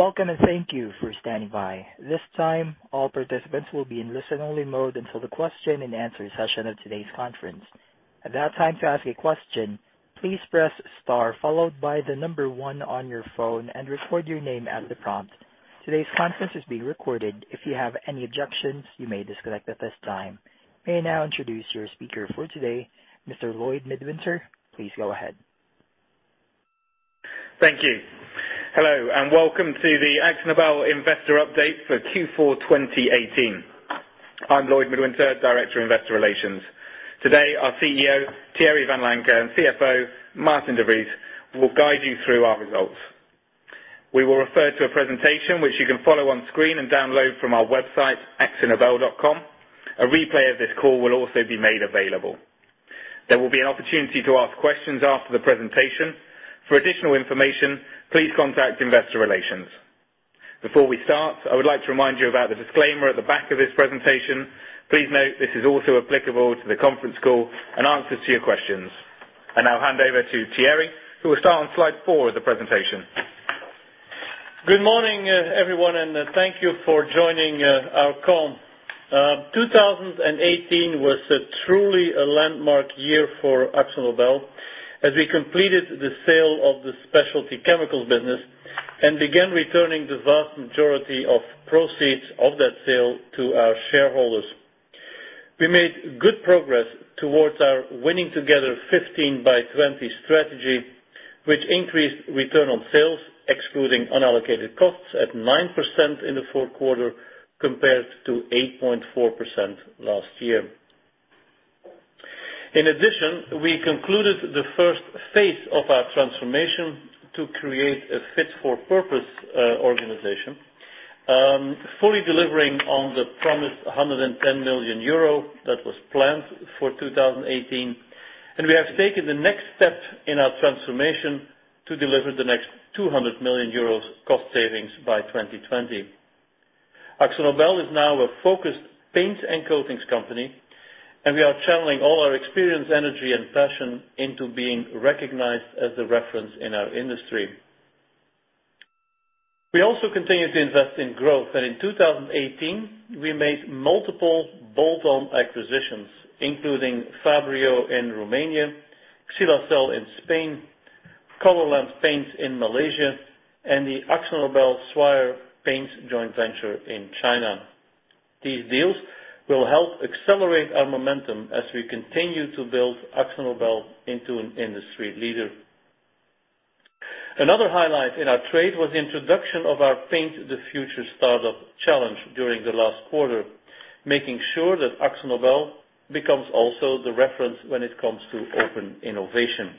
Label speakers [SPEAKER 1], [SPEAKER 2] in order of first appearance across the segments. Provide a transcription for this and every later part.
[SPEAKER 1] Welcome, thank you for standing by. This time, all participants will be in listen only mode until the question and answer session of today's conference. At that time, to ask a question, please press star followed by one on your phone and record your name at the prompt. Today's conference is being recorded. If you have any objections, you may disconnect at this time. May I now introduce your speaker for today, Mr. Lloyd Midwinter. Please go ahead.
[SPEAKER 2] Thank you. Hello, welcome to the AkzoNobel Investor Update for Q4 2018. I am Lloyd Midwinter, Director of Investor Relations. Today, our CEO, Thierry Vanlancker, and CFO, Maarten de Vries, will guide you through our results. We will refer to a presentation which you can follow on screen and download from our website, akzonobel.com. A replay of this call will also be made available. There will be an opportunity to ask questions after the presentation. For additional information, please contact investor relations. Before we start, I would like to remind you about the disclaimer at the back of this presentation. Please note this is also applicable to the conference call and answers to your questions. I now hand over to Thierry, who will start on slide four of the presentation.
[SPEAKER 3] Good morning, everyone, thank you for joining our call. 2018 was truly a landmark year for AkzoNobel as we completed the sale of the Specialty Chemicals business and began returning the vast majority of proceeds of that sale to our shareholders. We made good progress towards our Winning together: 15 by 20 strategy, which increased return on sales, excluding unallocated costs, at 9% in the fourth quarter compared to 8.4% last year. In addition, we concluded the first phase of our transformation to create a Fit for Purpose organization, fully delivering on the promised 110 million euro that was planned for 2018. We have taken the next step in our transformation to deliver the next 200 million euros cost savings by 2020. AkzoNobel is now a focused paints and coatings company, we are channeling all our experience, energy, and passion into being recognized as the reference in our industry. We also continue to invest in growth, in 2018, we made multiple bolt-on acquisitions, including Fabryo in Romania, Xylazel in Spain, Colourland Paints in Malaysia, and the AkzoNobel Swire Paints joint venture in China. These deals will help accelerate our momentum as we continue to build AkzoNobel into an industry leader. Another highlight in our trade was the introduction of our Paint the Future Startup Challenge during the last quarter, making sure that AkzoNobel becomes also the reference when it comes to open innovation.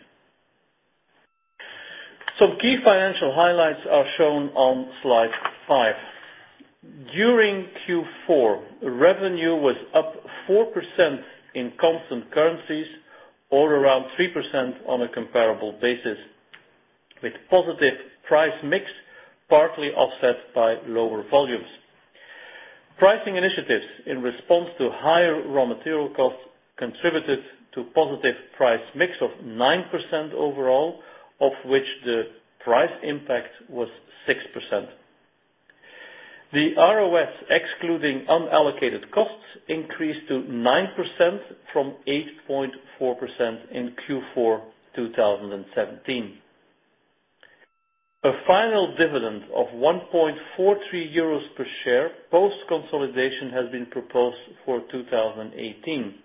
[SPEAKER 3] Some key financial highlights are shown on slide five. During Q4, revenue was up 4% in constant currencies or around 3% on a comparable basis, with positive price mix partly offset by lower volumes. Pricing initiatives in response to higher raw material costs contributed to positive price mix of 9% overall, of which the price impact was 6%. The ROS, excluding unallocated costs, increased to 9% from 8.4% in Q4 2017. A final dividend of 1.43 euros per share post consolidation has been proposed for 2018,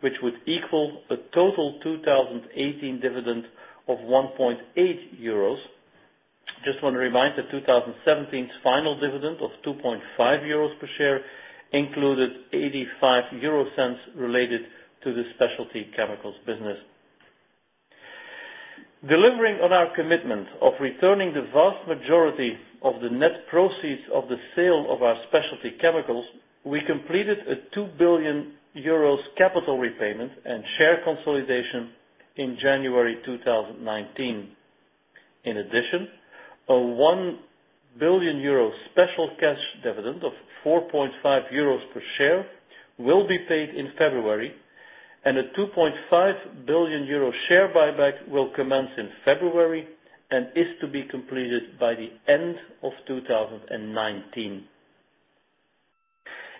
[SPEAKER 3] which would equal a total 2018 dividend of 1.8 euros. Just want to remind that 2017's final dividend of 2.5 euros per share included 0.85 related to the Specialty Chemicals business. Delivering on our commitment of returning the vast majority of the net proceeds of the sale of our Specialty Chemicals, we completed a 2 billion euros capital repayment and share consolidation in January 2019. In addition, a 1 billion euro special cash dividend of 4.5 euros per share will be paid in February, and a 2.5 billion euro share buyback will commence in February and is to be completed by the end of 2019.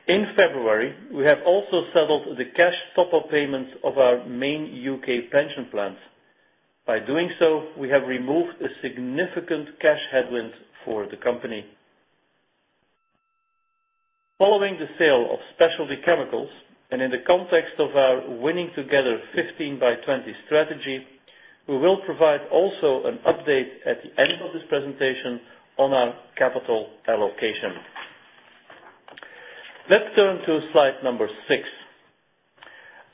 [SPEAKER 3] In February, we have also settled the cash top-up payments of our main U.K. pension plans. By doing so, we have removed a significant cash headwind for the company. Following the sale of Specialty Chemicals and in the context of our Winning together: 15 by 20 strategy, we will provide also an update at the end of this presentation on our capital allocation. Let's turn to slide number six.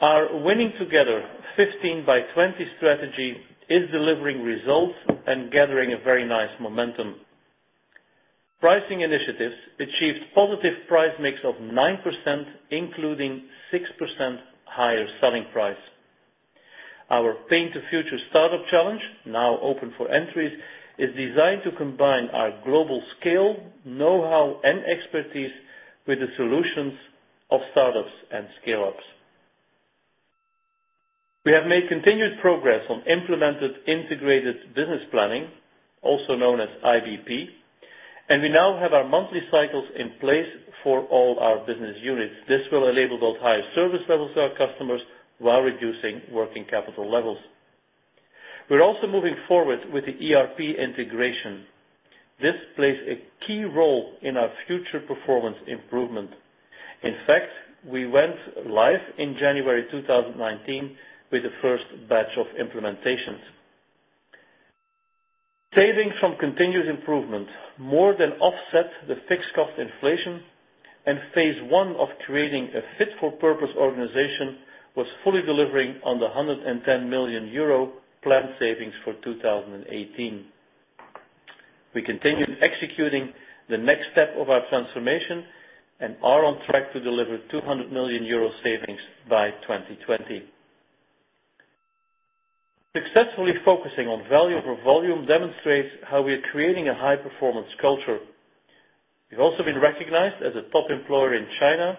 [SPEAKER 3] Our Winning together: 15 by 20 strategy is delivering results and gathering a very nice momentum. Pricing initiatives achieved positive price mix of 9%, including 6% higher selling price. Our Paint the Future Startup Challenge, now open for entries, is designed to combine our global scale, know-how, and expertise with the solutions of startups and scale-ups. We have made continued progress on implemented integrated business planning, also known as IBP, and we now have our monthly cycles in place for all our business units. This will enable those higher service levels to our customers while reducing working capital levels. We're also moving forward with the ERP integration. This plays a key role in our future performance improvement. In fact, we went live in January 2019 with the first batch of implementations. Savings from continuous improvement more than offset the fixed cost inflation, and phase I of creating a Fit for Purpose organization was fully delivering on the 110 million euro planned savings for 2018. We continued executing the next step of our transformation and are on track to deliver 200 million euro savings by 2020. Successfully focusing on value over volume demonstrates how we are creating a high-performance culture. We've also been recognized as a top employer in China,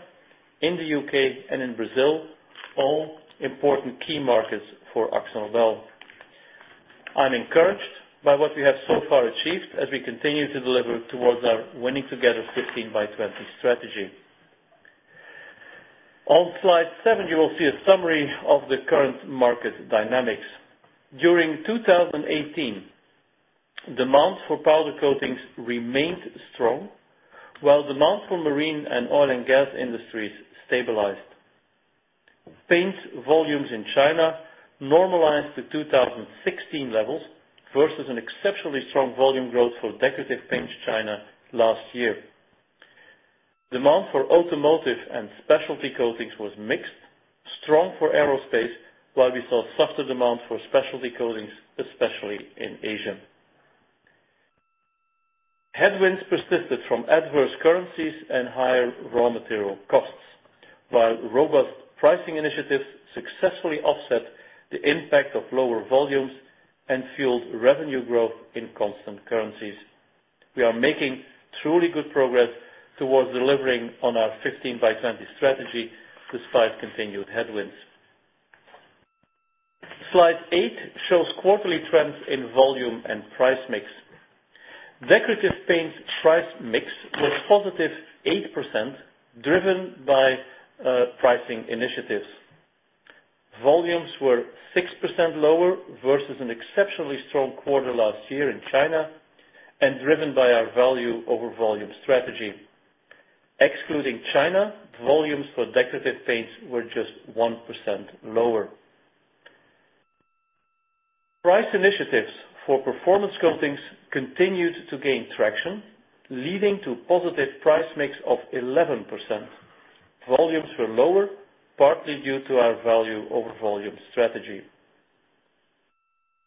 [SPEAKER 3] in the U.K., and in Brazil, all important key markets for AkzoNobel. I'm encouraged by what we have so far achieved as we continue to deliver towards our Winning together: 15 by 20 strategy. On slide seven, you will see a summary of the current market dynamics. During 2018, demand for powder coatings remained strong, while demand for marine and oil and gas industries stabilized. Paint volumes in China normalized to 2016 levels versus an exceptionally strong volume growth for Decorative Paints China last year. Demand for automotive and specialty coatings was mixed, strong for aerospace, while we saw softer demand for specialty coatings, especially in Asia. Headwinds persisted from adverse currencies and higher raw material costs, while robust pricing initiatives successfully offset the impact of lower volumes and fueled revenue growth in constant currencies. We are making truly good progress towards delivering on our 15 by 20 strategy despite continued headwinds. Slide eight shows quarterly trends in volume and price mix. Decorative Paints price mix was positive 8%, driven by pricing initiatives. Volumes were 6% lower versus an exceptionally strong quarter last year in China and driven by our value over volume strategy. Excluding China, volumes for Decorative Paints were just 1% lower. Price initiatives for Performance Coatings continued to gain traction, leading to positive price mix of 11%. Volumes were lower, partly due to our value over volume strategy.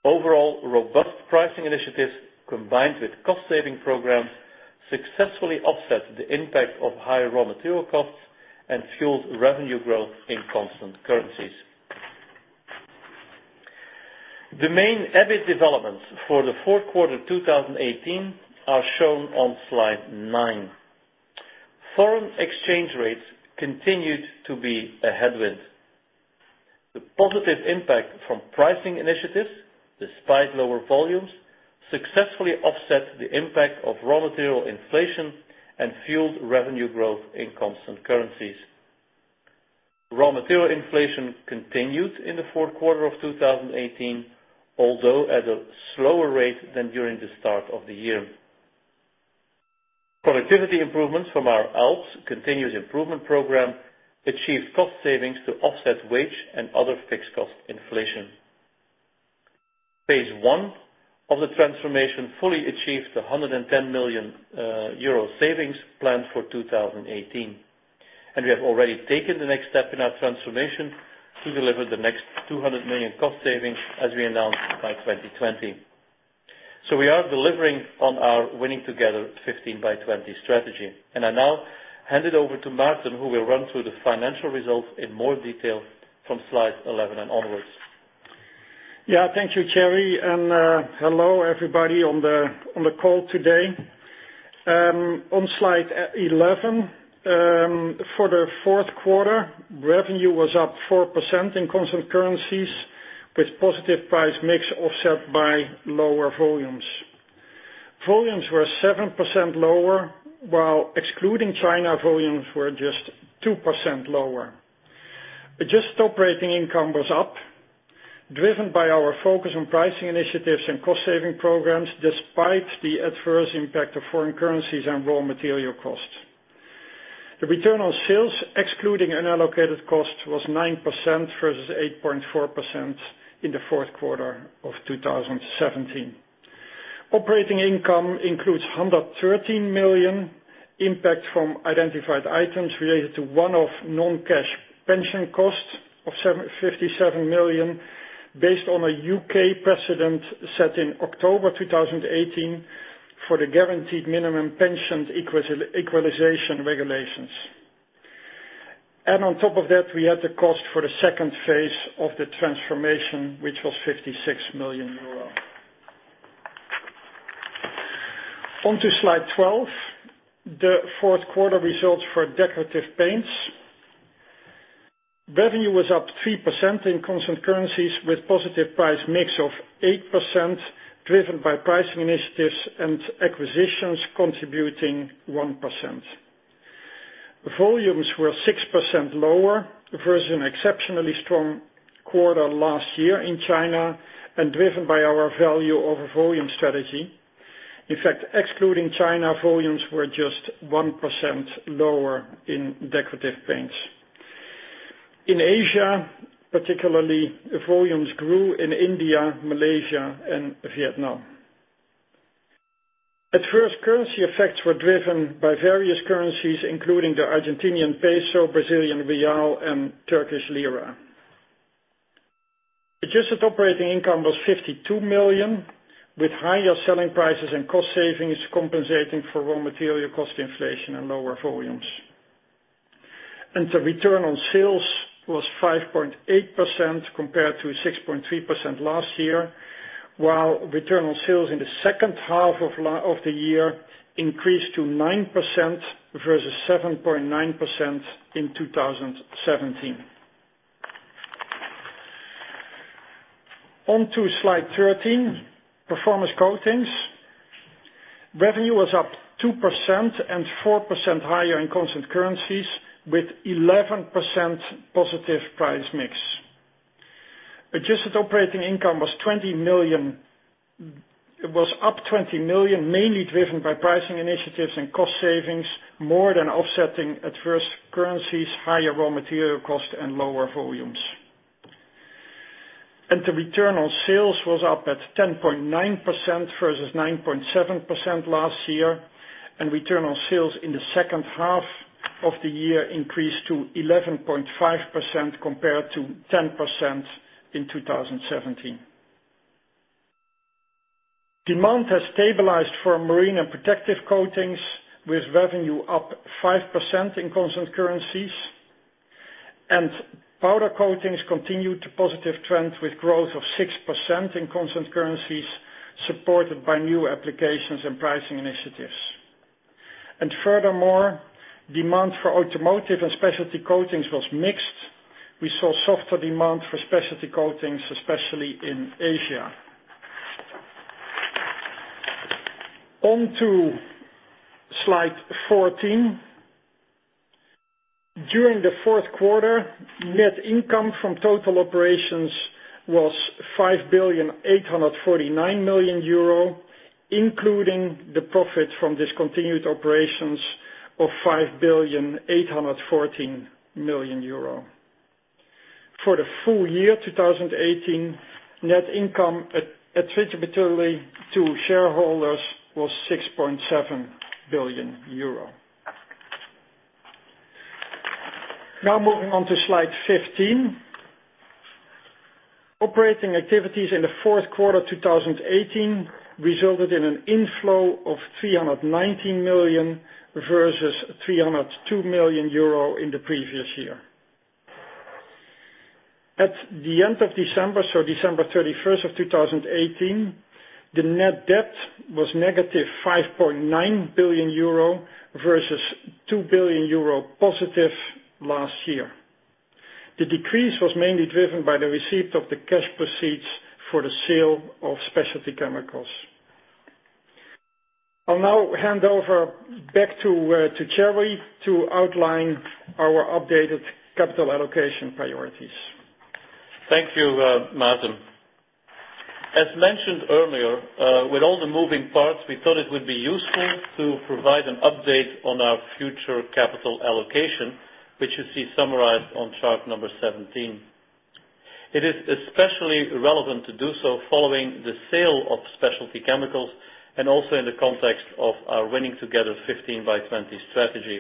[SPEAKER 3] Overall, robust pricing initiatives combined with cost-saving programs successfully offset the impact of higher raw material costs and fueled revenue growth in constant currencies. The main EBIT developments for the fourth quarter 2018 are shown on slide nine. Foreign exchange rates continued to be a headwind. The positive impact from pricing initiatives, despite lower volumes, successfully offset the impact of raw material inflation and fueled revenue growth in constant currencies. Raw material inflation continued in the fourth quarter of 2018, although at a slower rate than during the start of the year. Productivity improvements from our ALPS continuous improvement program achieved cost savings to offset wage and other fixed cost inflation. Phase 1 of the transformation fully achieved the 110 million euro savings planned for 2018. We have already taken the next step in our transformation to deliver the next 200 million cost savings, as we announced, by 2020. We are delivering on our Winning together: 15 by 20 strategy. I now hand it over to Maarten, who will run through the financial results in more detail from slide 11 and onwards.
[SPEAKER 4] Thank you, Thierry. Hello, everybody on the call today. On slide 11, for the fourth quarter, revenue was up 4% in constant currencies with positive price mix offset by lower volumes. Volumes were 7% lower, while excluding China, volumes were just 2% lower. Adjusted operating income was up, driven by our focus on pricing initiatives and cost-saving programs, despite the adverse impact of foreign currencies and raw material costs. The return on sales, excluding unallocated cost, was 9% versus 8.4% in the fourth quarter of 2017. Operating income includes 113 million impact from identified items related to one-off non-cash pension costs of 57 million based on a U.K. precedent set in October 2018 for the Guaranteed Minimum Pension equalization regulations. On top of that, we had the cost for the second phase of the transformation, which was 56 million euros. On to slide 12, the fourth quarter results for Decorative Paints. Revenue was up 3% in constant currencies with positive price mix of 8%, driven by pricing initiatives and acquisitions contributing 1%. Volumes were 6% lower versus an exceptionally strong quarter last year in China and driven by our value over volume strategy. In fact, excluding China, volumes were just 1% lower in Decorative Paints. In Asia, particularly, volumes grew in India, Malaysia, and Vietnam. Adverse currency effects were driven by various currencies, including the Argentinian peso, Brazilian real, and Turkish lira. Adjusted operating income was 52 million, with higher selling prices and cost savings compensating for raw material cost inflation and lower volumes. The return on sales was 5.8% compared to 6.3% last year, while return on sales in the second half of the year increased to 9% versus 7.9% in 2017. On to slide 13, Performance Coatings. Revenue was up 2% and 4% higher in constant currencies with 11% positive price mix. Adjusted operating income was up 20 million, mainly driven by pricing initiatives and cost savings, more than offsetting adverse currencies, higher raw material cost, and lower volumes. The return on sales was up at 10.9% versus 9.7% last year, and return on sales in the second half of the year increased to 11.5% compared to 10% in 2017. Demand has stabilized for Marine and Protective Coatings, with revenue up 5% in constant currencies. Powder Coatings continued a positive trend with growth of 6% in constant currencies, supported by new applications and pricing initiatives. Furthermore, demand for automotive and specialty coatings was mixed. We saw softer demand for specialty coatings, especially in Asia. On to slide 14. During the fourth quarter, net income from total operations was 5 billion,849 million, including the profit from discontinued operations of 5 billion,814 million. For the full year 2018, net income attributable to shareholders was EUR 6.7 billion. Moving on to slide 15. Operating activities in the fourth quarter 2018 resulted in an inflow of 319 million versus 302 million euro in the previous year. At the end of December, so December 31, 2018, the net debt was negative 5.9 billion euro versus 2 billion euro positive last year. The decrease was mainly driven by the receipt of the cash proceeds for the sale of Specialty Chemicals. I will now hand over back to Thierry to outline our updated capital allocation priorities.
[SPEAKER 3] Thank you, Maarten. As mentioned earlier, with all the moving parts, we thought it would be useful to provide an update on our future capital allocation, which you see summarized on chart number 17. It is especially relevant to do so following the sale of Specialty Chemicals and also in the context of our Winning together: 15 by 20 strategy.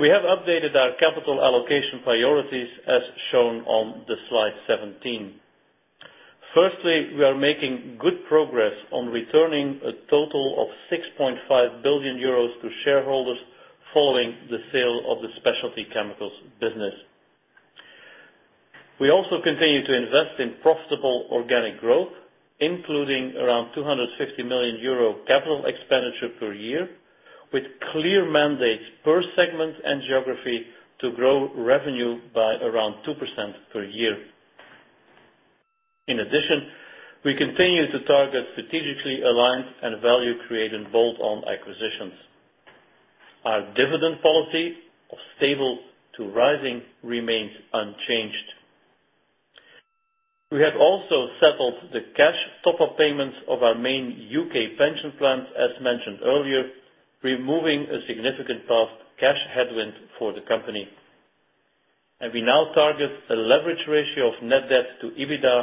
[SPEAKER 3] We have updated our capital allocation priorities as shown on the slide 17. Firstly, we are making good progress on returning a total of 6.5 billion euros to shareholders following the sale of the Specialty Chemicals business. We also continue to invest in profitable organic growth, including around 250 million euro capital expenditure per year, with clear mandates per segment and geography to grow revenue by around 2% per year. In addition, we continue to target strategically aligned and value creating bolt-on acquisitions. Our dividend policy of stable to rising remains unchanged. We have also settled the cash top-up payments of our main U.K. pension plans, as mentioned earlier, removing a significant past cash headwind for the company. We now target a leverage ratio of net debt to EBITDA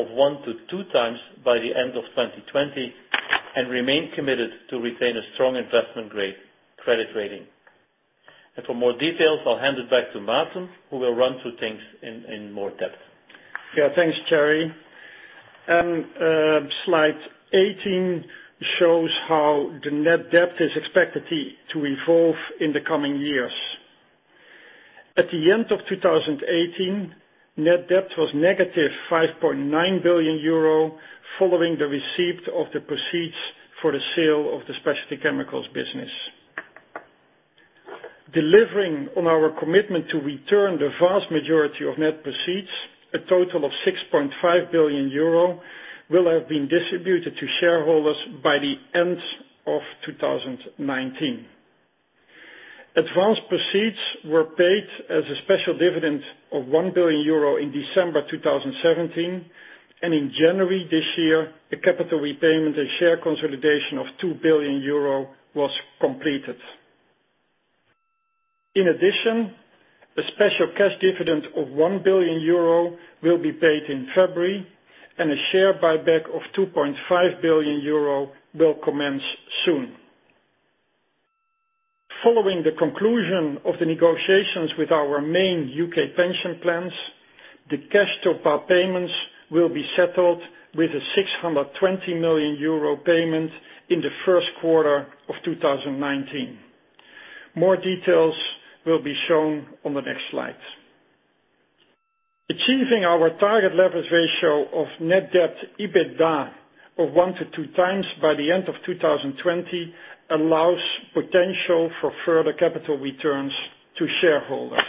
[SPEAKER 3] of 1x to 2x by the end of 2020 and remain committed to retain a strong investment-grade credit rating. For more details, I will hand it back to Maarten, who will run through things in more depth.
[SPEAKER 4] Yeah. Thanks, Thierry. Slide 18 shows how the net debt is expected to evolve in the coming years. At the end of 2018, net debt was negative 5.9 billion euro, following the receipt of the proceeds for the sale of the Specialty Chemicals business. Delivering on our commitment to return the vast majority of net proceeds, a total of 6.5 billion euro will have been distributed to shareholders by the end of 2019. Advanced proceeds were paid as a special dividend of 1 billion euro in December 2017, and in January this year, a capital repayment and share consolidation of 2 billion euro was completed. In addition, a special cash dividend of 1 billion euro will be paid in February, and a share buyback of 2.5 billion euro will commence soon. Following the conclusion of the negotiations with our main U.K. pension plans, the cash top-up payments will be settled with a 620 million euro payment in the first quarter of 2019. More details will be shown on the next slide. Achieving our target leverage ratio of net debt, EBITDA of 1x to 2x by the end of 2020 allows potential for further capital returns to shareholders.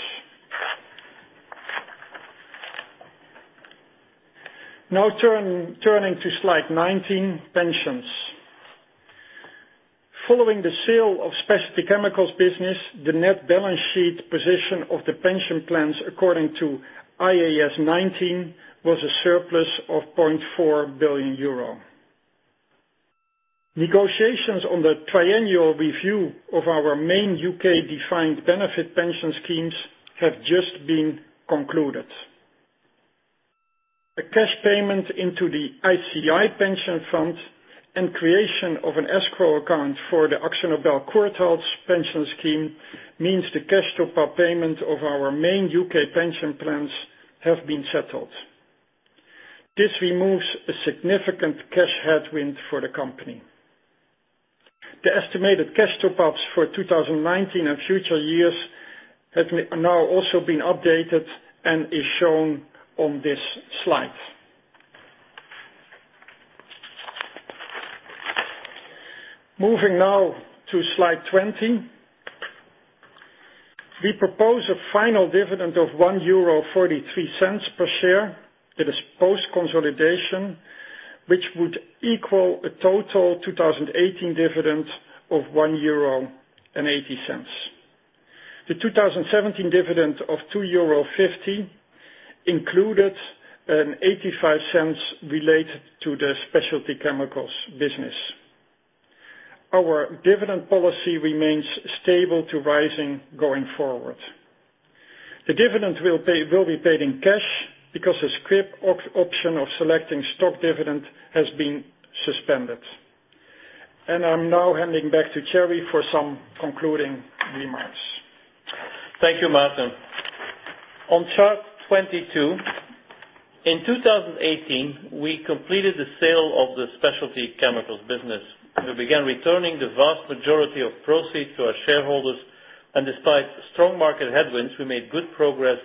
[SPEAKER 4] Turning to slide 19, pensions. Following the sale of Specialty Chemicals business, the net balance sheet position of the pension plans, according to IAS 19, was a surplus of 0.4 billion euro. Negotiations on the triennial review of our main U.K. defined benefit pension schemes have just been concluded. A cash payment into the ICI Pension Fund and creation of an escrow account for the AkzoNobel Courtaulds pension scheme means the cash top-up payment of our main U.K. pension plans have been settled. This removes a significant cash headwind for the company. The estimated cash top-ups for 2019 and future years have now also been updated and is shown on this slide. Moving now to slide 20. We propose a final dividend of 1.43 euro per share. That is post-consolidation, which would equal a total 2018 dividend of 1.80 euro. The 2017 dividend of 2.50 euro included an 0.85 related to the Specialty Chemicals business. Our dividend policy remains stable to rising going forward. The dividend will be paid in cash because the scrip option of selecting stock dividend has been suspended. I am now handing back to Thierry for some concluding remarks.
[SPEAKER 3] Thank you, Maarten. On chart 22, in 2018, we completed the sale of the Specialty Chemicals business. We began returning the vast majority of proceeds to our shareholders, and despite strong market headwinds, we made good progress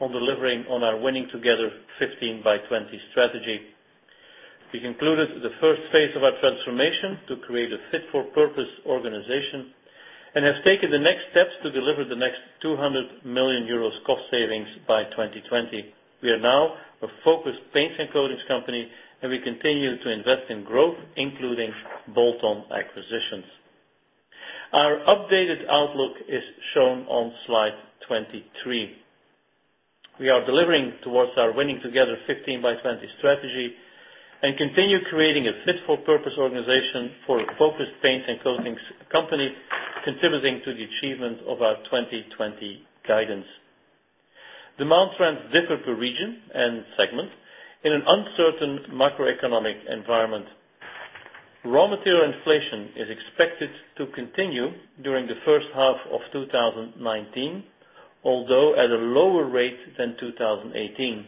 [SPEAKER 3] on delivering on our Winning together: 15 by 20 strategy. We concluded the first phase of our transformation to create a Fit for Purpose organization and have taken the next steps to deliver the next 200 million euros cost savings by 2020. We are now a focused paints and coatings company, and we continue to invest in growth, including bolt-on acquisitions. Our updated outlook is shown on slide 23. We are delivering towards our Winning together: 15 by 20 strategy and continue creating a Fit for Purpose organization for a focused paints and coatings company, contributing to the achievement of our 2020 guidance. Demand trends differ per region and segment in an uncertain macroeconomic environment. Raw material inflation is expected to continue during the first half of 2019, although at a lower rate than 2018.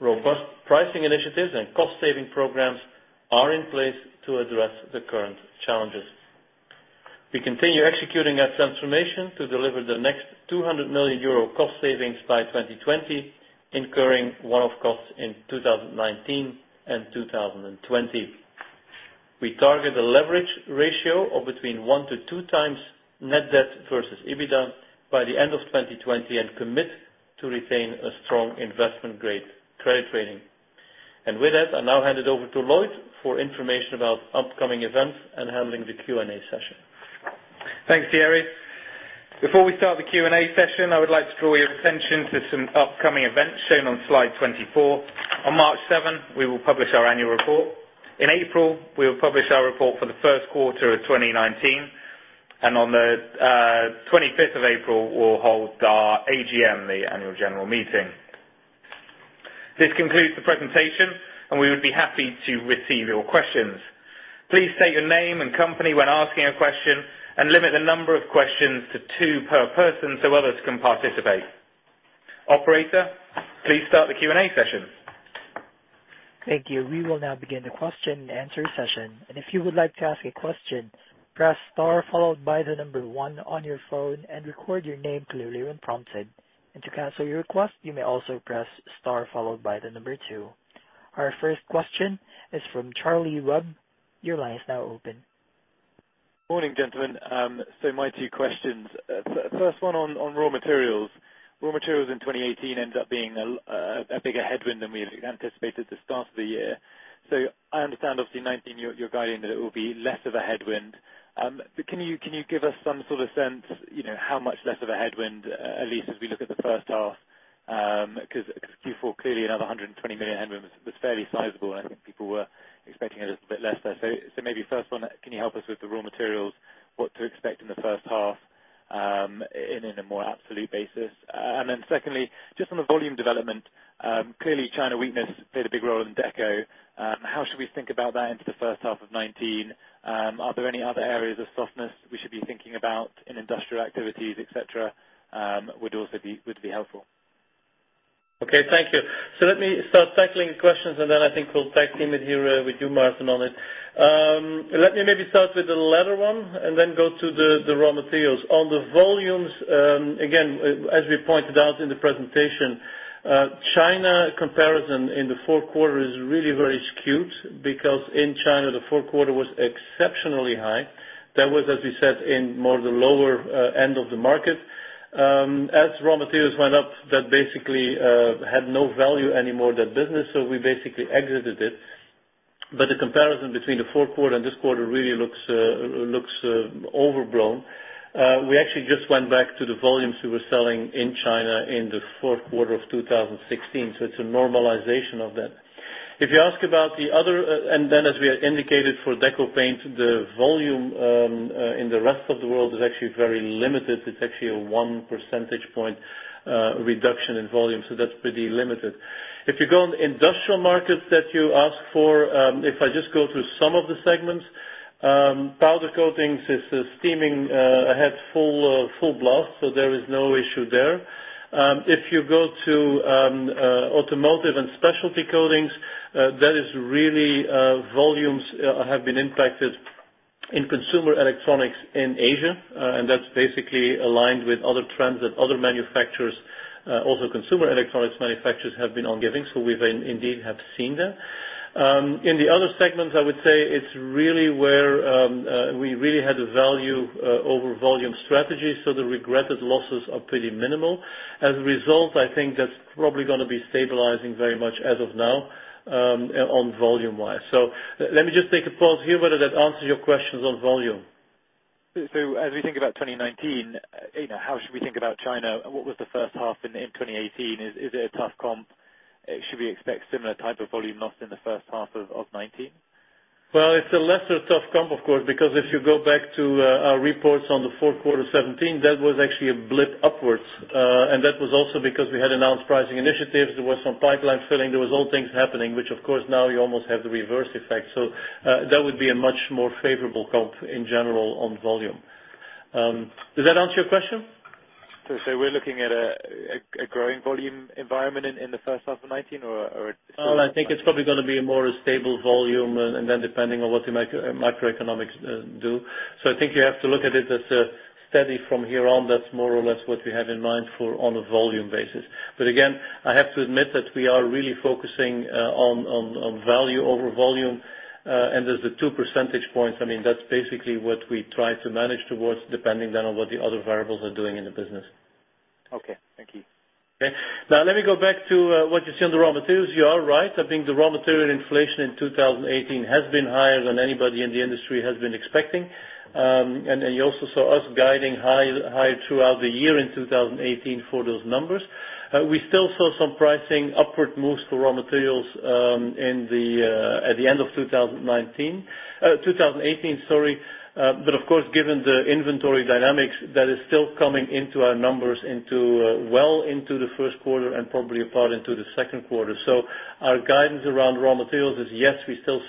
[SPEAKER 3] Robust pricing initiatives and cost-saving programs are in place to address the current challenges. We continue executing our transformation to deliver the next 200 million euro cost savings by 2020, incurring one-off costs in 2019 and 2020. We target a leverage ratio of between 1x to 2x net debt versus EBITDA by the end of 2020 and commit to retain a strong investment grade credit rating. With that, I now hand it over to Lloyd for information about upcoming events and handling the Q&A session.
[SPEAKER 2] Thanks, Thierry. Before we start the Q&A session, I would like to draw your attention to some upcoming events shown on slide 24. On March 7, we will publish our annual report. In April, we will publish our report for the first quarter of 2019, and on the 25th of April, we will hold our AGM, the Annual General Meeting. This concludes the presentation. We would be happy to receive your questions. Please state your name and company when asking a question and limit the number of questions to two per person so others can participate. Operator, please start the Q&A session.
[SPEAKER 1] Thank you. We will now begin the question and answer session. If you would like to ask a question, press star followed by the number one on your phone and record your name clearly when prompted. To cancel your request, you may also press star followed by the number two. Our first question is from Charlie Webb. Your line is now open.
[SPEAKER 5] Morning, gentlemen. My two questions. First one on raw materials. Raw materials in 2018 ends up being a bigger headwind than we had anticipated at the start of the year. I understand obviously 2019, your guiding that it will be less of a headwind. Can you give us some sort of sense, how much less of a headwind, at least as we look at the first half? Because Q4, clearly another 120 million headwind was fairly sizable, and I think people were expecting a little bit less there. Maybe first one, can you help us with the raw materials, what to expect in the first half, in a more absolute basis? Then secondly, just on the volume development. Clearly China weakness played a big role in Deco. How should we think about that into the first half of 2019? Are there any other areas of softness we should be thinking about in industrial activities, et cetera, would be helpful.
[SPEAKER 3] Okay, thank you. Let me start tackling the questions, and then I think we'll tag team it here with you, Maarten, on it. Let me maybe start with the latter one and then go to the raw materials. On the volumes, again, as we pointed out in the presentation, China comparison in the fourth quarter is really very skewed because in China, the fourth quarter was exceptionally high. That was, as we said, in more the lower end of the market. As raw materials went up, that basically had no value anymore, that business, we basically exited it. The comparison between the fourth quarter and this quarter really looks overblown. We actually just went back to the volumes we were selling in China in the fourth quarter of 2016. It's a normalization of that. If you ask about the other, and then as we had indicated for Deco Paint, the volume in the rest of the world is actually very limited. It's actually a one percentage point reduction in volume, that's pretty limited. If you go on the industrial markets that you asked for, if I just go through some of the segments, powder coatings is steaming ahead full blast, there is no issue there. If you go to automotive and specialty coatings, that is really volumes have been impacted in consumer electronics in Asia, and that's basically aligned with other trends that other manufacturers, also consumer electronics manufacturers, have been on giving. We indeed have seen that. In the other segments, I would say it's really where we really had a value over volume strategy, the regretted losses are pretty minimal. As a result, I think that's probably going to be stabilizing very much as of now on volume wise. Let me just take a pause here, whether that answers your questions on volume.
[SPEAKER 5] As we think about 2019, how should we think about China? What was the first half in 2018? Is it a tough comp? Should we expect similar type of volume loss in the first half of 2019?
[SPEAKER 3] Well, it's a lesser tough comp, of course, because if you go back to our reports on the fourth quarter 2017, that was actually a blip upwards. That was also because we had announced pricing initiatives. There was some pipeline filling. There was all things happening, which of course now you almost have the reverse effect. That would be a much more favorable comp in general on volume. Does that answer your question?
[SPEAKER 5] We're looking at a growing volume environment in the first half of 2019.
[SPEAKER 3] I think it's probably going to be a more stable volume, and then depending on what the macroeconomics do. I think you have to look at it as a steady from here on, that's more or less what we have in mind for on a volume basis. Again, I have to admit that we are really focusing on value over volume. There's the 2 percentage points. That's basically what we try to manage towards, depending then on what the other variables are doing in the business.
[SPEAKER 5] Okay. Thank you.
[SPEAKER 3] Okay. Let me go back to what you said on the raw materials. You are right. I think the raw material inflation in 2018 has been higher than anybody in the industry has been expecting. You also saw us guiding higher throughout the year in 2018 for those numbers. We still saw some pricing upward moves for raw materials at the end of 2019 2018, sorry. Of course, given the inventory dynamics, that is still coming into our numbers well into the first quarter and probably a part into the second quarter. Our guidance around raw materials is, yes, we still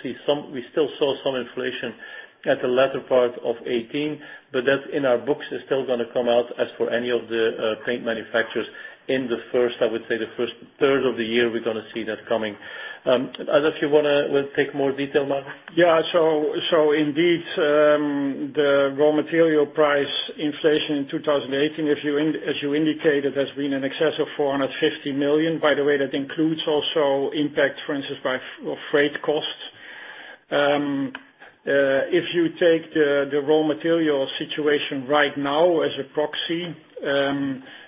[SPEAKER 3] saw some inflation at the latter part of 2018, but that in our books is still going to come out as for any of the paint manufacturers in the first, I would say, the first third of the year, we're going to see that coming. If you want to take more detail, Maarten.
[SPEAKER 4] Indeed, the raw material price inflation in 2018, as you indicated, has been in excess of 450 million. By the way, that includes also impact, for instance, by freight costs. If you take the raw material situation right now as a proxy,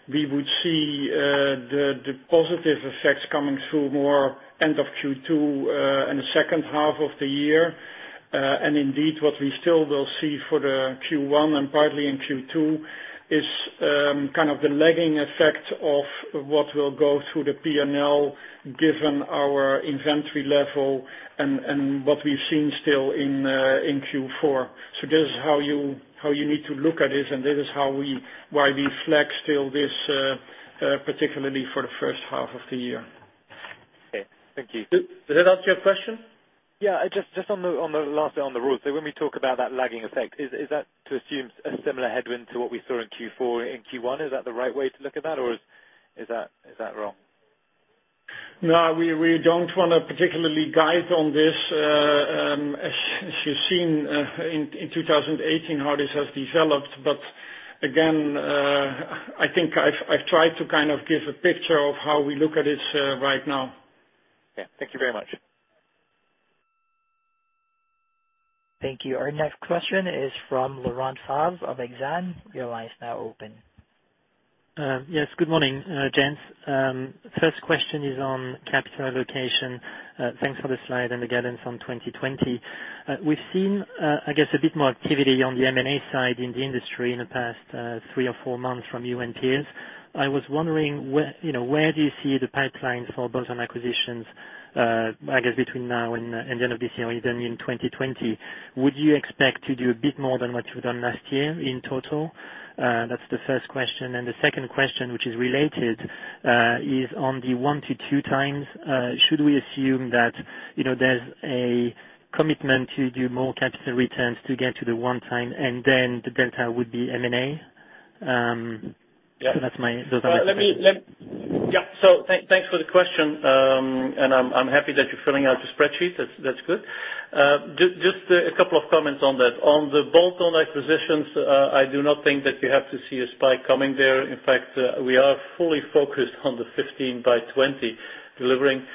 [SPEAKER 4] we would see the positive effects coming through more end of Q2 and the second half of the year. Indeed, what we still will see for the Q1 and partly in Q2 is kind of the lagging effect of what will go through the P&L given our inventory level and what we've seen still in Q4. This is how you need to look at this, and this is why we flag still this, particularly for the first half of the year.
[SPEAKER 5] Okay. Thank you.
[SPEAKER 3] Did that answer your question?
[SPEAKER 5] Yeah. Just on the last bit on the raw. When we talk about that lagging effect, is that to assume a similar headwind to what we saw in Q4, in Q1? Is that the right way to look at that? Or is that wrong?
[SPEAKER 4] No, we don't want to particularly guide on this. As you've seen in 2018, how this has developed. Again, I think I've tried to give a picture of how we look at this right now.
[SPEAKER 5] Yeah. Thank you very much.
[SPEAKER 1] Thank you. Our next question is from Laurent Favre of Exane. Your line is now open.
[SPEAKER 6] Yes, good morning, gents. First question is on capital allocation. Thanks for the slide and the guidance on 2020. We've seen, I guess, a bit more activity on the M&A side in the industry in the past three or four months from you and peers. I was wondering, where do you see the pipelines for both on acquisitions, I guess, between now and the end of this year and then in 2020? Would you expect to do a bit more than what you've done last year in total? That's the first question. The second question, which is related, is on the 1x to 2x. Should we assume that there's a commitment to do more capital returns to get to the one time and then the delta would be M&A?
[SPEAKER 3] Yeah.
[SPEAKER 6] Those are my-
[SPEAKER 3] Thanks for the question. I'm happy that you're filling out a spreadsheet. That's good. Just a couple of comments on that. On the bolt-on acquisitions, I do not think that we have to see a spike coming there. We are fully focused on the Winning together: 15 by 20 delivering.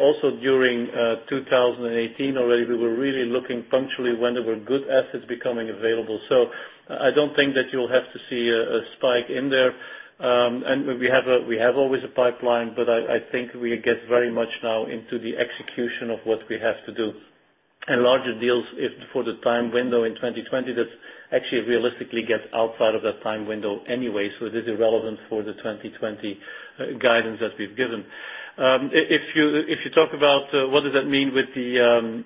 [SPEAKER 3] Also during 2018 already, we were really looking punctually when there were good assets becoming available. I don't think that you'll have to see a spike in there. We have always a pipeline, but I think we get very much now into the execution of what we have to do. Larger deals, if for the time window in 2020, that's actually realistically gets outside of that time window anyway, so it is irrelevant for the 2020 guidance that we've given. If you talk about what does that mean with the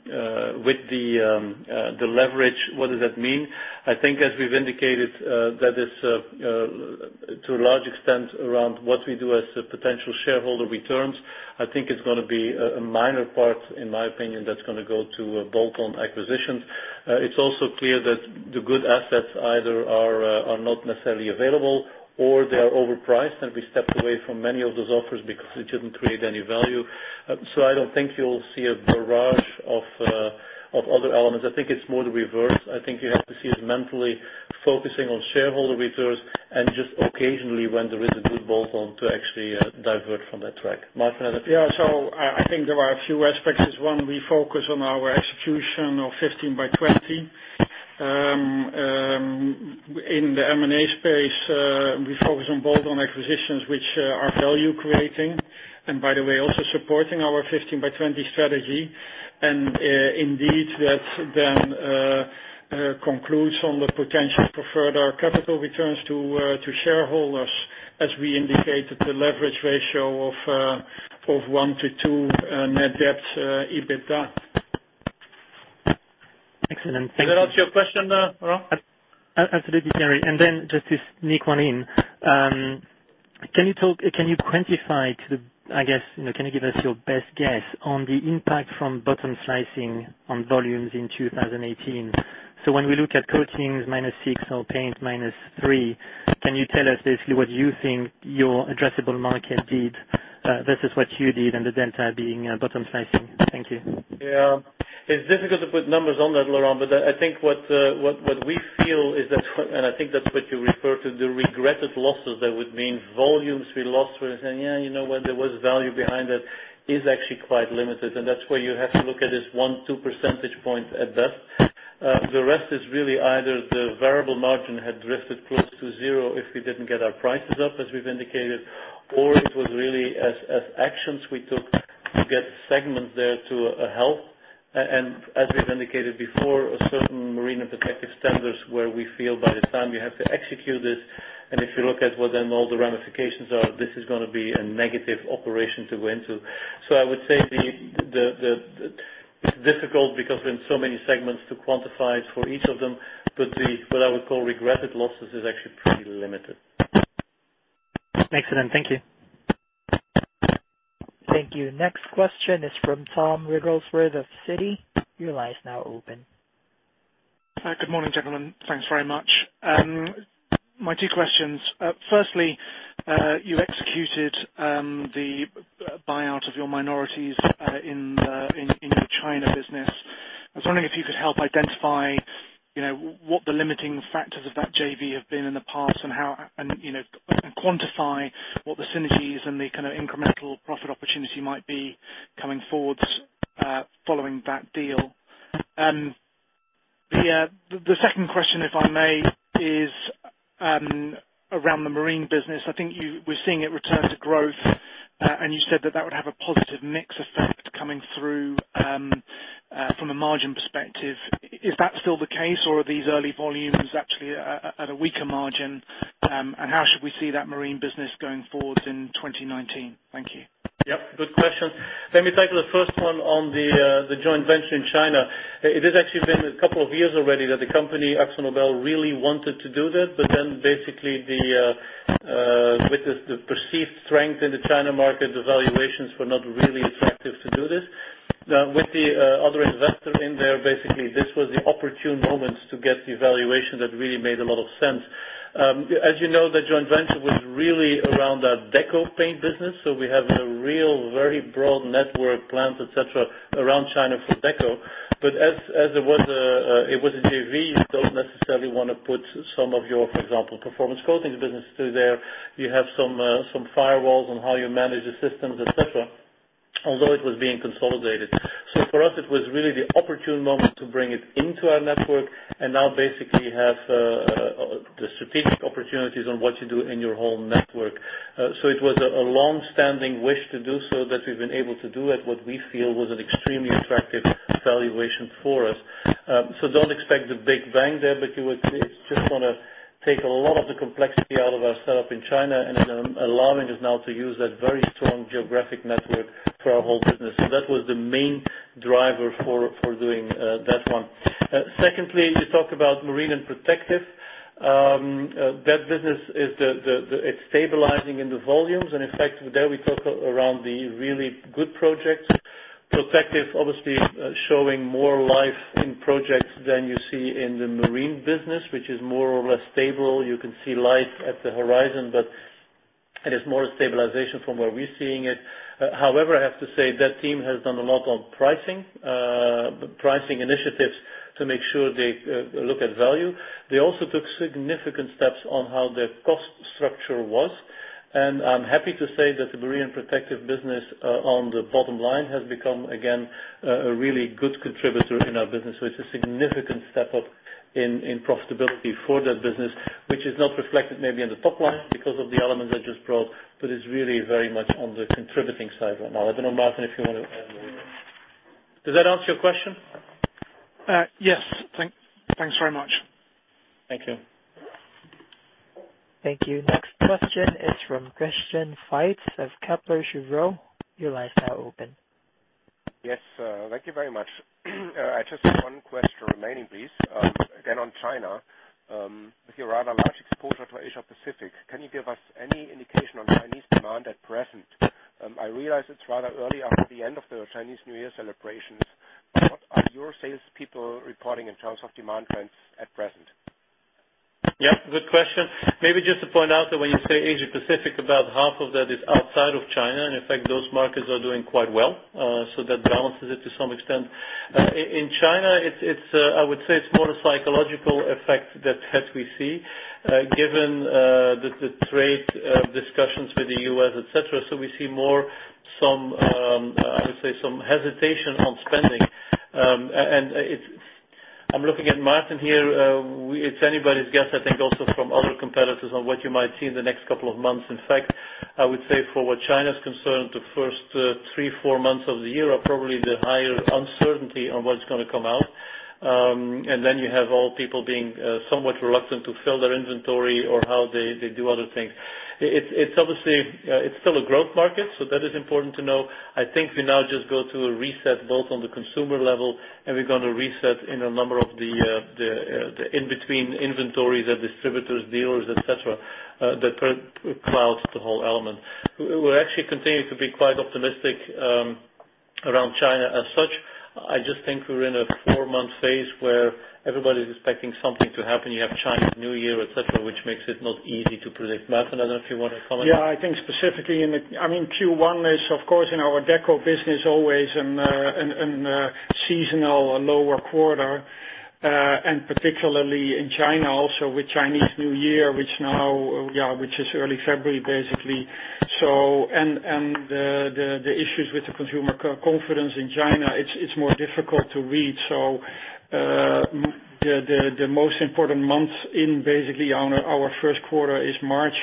[SPEAKER 3] leverage, what does that mean? I think as we've indicated, that is to a large extent around what we do as potential shareholder returns. I think it's going to be a minor part, in my opinion, that's going to go to bolt-on acquisitions. It's also clear that the good assets either are not necessarily available or they are overpriced, and we stepped away from many of those offers because it didn't create any value. I don't think you'll see a barrage of other elements. I think it's more the reverse. I think you have to see us mentally focusing on shareholder returns and just occasionally when there is a good bolt-on to actually divert from that track. Maarten, another view?
[SPEAKER 4] Yeah. I think there are a few aspects. One, we focus on our execution of Winning together: 15 by 20. In the M&A space, we focus on bolt-on acquisitions, which are value creating, and by the way, also supporting our Winning together: 15 by 20 strategy. That then concludes on the potential for further capital returns to shareholders, as we indicated the leverage ratio of 1:2 net debt EBITDA.
[SPEAKER 6] Excellent. Thank you.
[SPEAKER 3] Did that answer your question, Laurent?
[SPEAKER 6] Absolutely. Just to sneak one in. Can you quantify to the, I guess, can you give us your best guess on the impact from bottom slicing on volumes in 2018? When we look at Coatings -6 or Paint -3, can you tell us basically what you think your addressable market did versus what you did and the delta being bottom slicing? Thank you.
[SPEAKER 3] It's difficult to put numbers on that, Laurent, but I think what we feel is that, and I think that's what you refer to, the regretted losses that would mean volumes we lost where we say, "Yeah, you know what? There was value behind it," is actually quite limited. That's where you have to look at this one, two percentage points at best. The rest is really either the variable margin had drifted close to zero if we didn't get our prices up as we've indicated, or it was really as actions we took to get segments there to a help. As we've indicated before, a certain Marine and Protective standards where we feel by the time we have to execute this, and if you look at what then all the ramifications are, this is going to be a negative operation to go into. I would say it's difficult because there are so many segments to quantify for each of them. What I would call regretted losses is actually pretty limited.
[SPEAKER 6] Excellent. Thank you.
[SPEAKER 1] Thank you. Next question is from Thomas Wrigglesworth of Citi. Your line is now open.
[SPEAKER 7] Good morning, gentlemen. Thanks very much. My two questions. Firstly, you executed the buyout of your minorities in the China business. I was wondering if you could help identify what the limiting factors of that JV have been in the past and quantify what the synergies and the kind of incremental profit opportunity might be coming forward following that deal. The second question, if I may, is around the Marine business. I think we're seeing it return to growth, and you said that that would have a positive mix effect coming through from a margin perspective. Is that still the case or are these early volumes actually at a weaker margin? And how should we see that Marine business going forward in 2019? Thank you.
[SPEAKER 3] Yep, good question. Let me take the first one on the joint venture in China. It has actually been a couple of years already that the company, AkzoNobel, really wanted to do that. With the perceived strength in the China market, the valuations were not really attractive to do this. Now, with the other investor in there, basically, this was the opportune moment to get the valuation that really made a lot of sense. As you know, the joint venture was really around our Decorative Paints business, so we have a real very broad network, plants, et cetera, around China for Deco. But as it was a JV, you don't necessarily want to put some of your, for example, Performance Coatings business through there. You have some firewalls on how you manage the systems, et cetera. Although it was being consolidated. For us, it was really the opportune moment to bring it into our network and now basically have the strategic opportunities on what you do in your whole network. It was a longstanding wish to do so, that we've been able to do at what we feel was an extremely attractive valuation for us. Don't expect the big bang there, but it's just going to take a lot of the complexity out of our setup in China, and allowing us now to use that very strong geographic network for our whole business. That was the main driver for doing that one. Secondly, you talk about Marine and Protective. That business, it's stabilizing in the volumes. In fact, there we talk around the really good projects. Protective, obviously, showing more life in projects than you see in the Marine business, which is more or less stable. You can see life at the horizon, it is more a stabilization from where we're seeing it. However, I have to say that team has done a lot on pricing initiatives to make sure they look at value. They also took significant steps on how their cost structure was. I'm happy to say that the Marine and Protective business, on the bottom line, has become again, a really good contributor in our business, which is a significant step up in profitability for that business, which is not reflected maybe in the top line because of the elements I just brought, but is really very much on the contributing side right now. I don't know, Maarten, if you want to add more there. Does that answer your question?
[SPEAKER 7] Yes. Thanks very much.
[SPEAKER 3] Thank you.
[SPEAKER 1] Thank you. Next question is from Christian Faitz of Kepler Cheuvreux. Your line's now open.
[SPEAKER 8] Yes, thank you very much. I just have one question remaining, please. Again, on China. With your rather large exposure to Asia-Pacific, can you give us any indication on Chinese demand at present? I realize it's rather early after the end of the Chinese New Year celebrations, what are your salespeople reporting in terms of demand trends at present?
[SPEAKER 3] Yeah, good question. Maybe just to point out that when you say Asia-Pacific, about half of that is outside of China, in fact, those markets are doing quite well. That balances it to some extent. In China, I would say it's more a psychological effect that we see, given the trade discussions with the U.S., et cetera. We see more, I would say, some hesitation on spending. I'm looking at Maarten here. It's anybody's guess, I think, also from other competitors on what you might see in the next couple of months. In fact, I would say for what China's concerned, the first three, four months of the year are probably the higher uncertainty on what's going to come out. Then you have all people being somewhat reluctant to fill their inventory or how they do other things. It's still a growth market, that is important to know. I think we now just go to a reset both on the consumer level we're going to reset in a number of the in-between inventories at distributors, dealers, et cetera, that clouds the whole element. We actually continue to be quite optimistic around China as such. I just think we're in a four-month phase where everybody's expecting something to happen. You have Chinese New Year, et cetera, which makes it not easy to predict. Maarten, I don't know if you want to comment.
[SPEAKER 4] I think specifically in the Q1 is, of course, in our Deco business, always a seasonal lower quarter, particularly in China also with Chinese New Year, which is early February. The issues with the consumer confidence in China, it is more difficult to read. The most important month in our first quarter is March.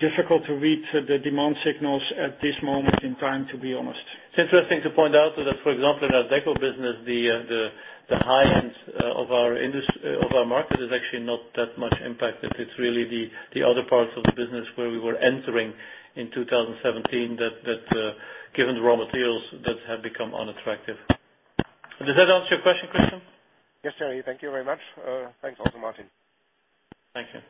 [SPEAKER 4] Difficult to read the demand signals at this moment in time.
[SPEAKER 3] It is interesting to point out that, for example, in our Deco business, the high end of our market is actually not that much impacted. It is really the other parts of the business where we were entering in 2017 that, given the raw materials, that had become unattractive. Does that answer your question, Christian?
[SPEAKER 8] Yes, Thierry. Thank you very much. Thanks also, Maarten.
[SPEAKER 3] Thank you.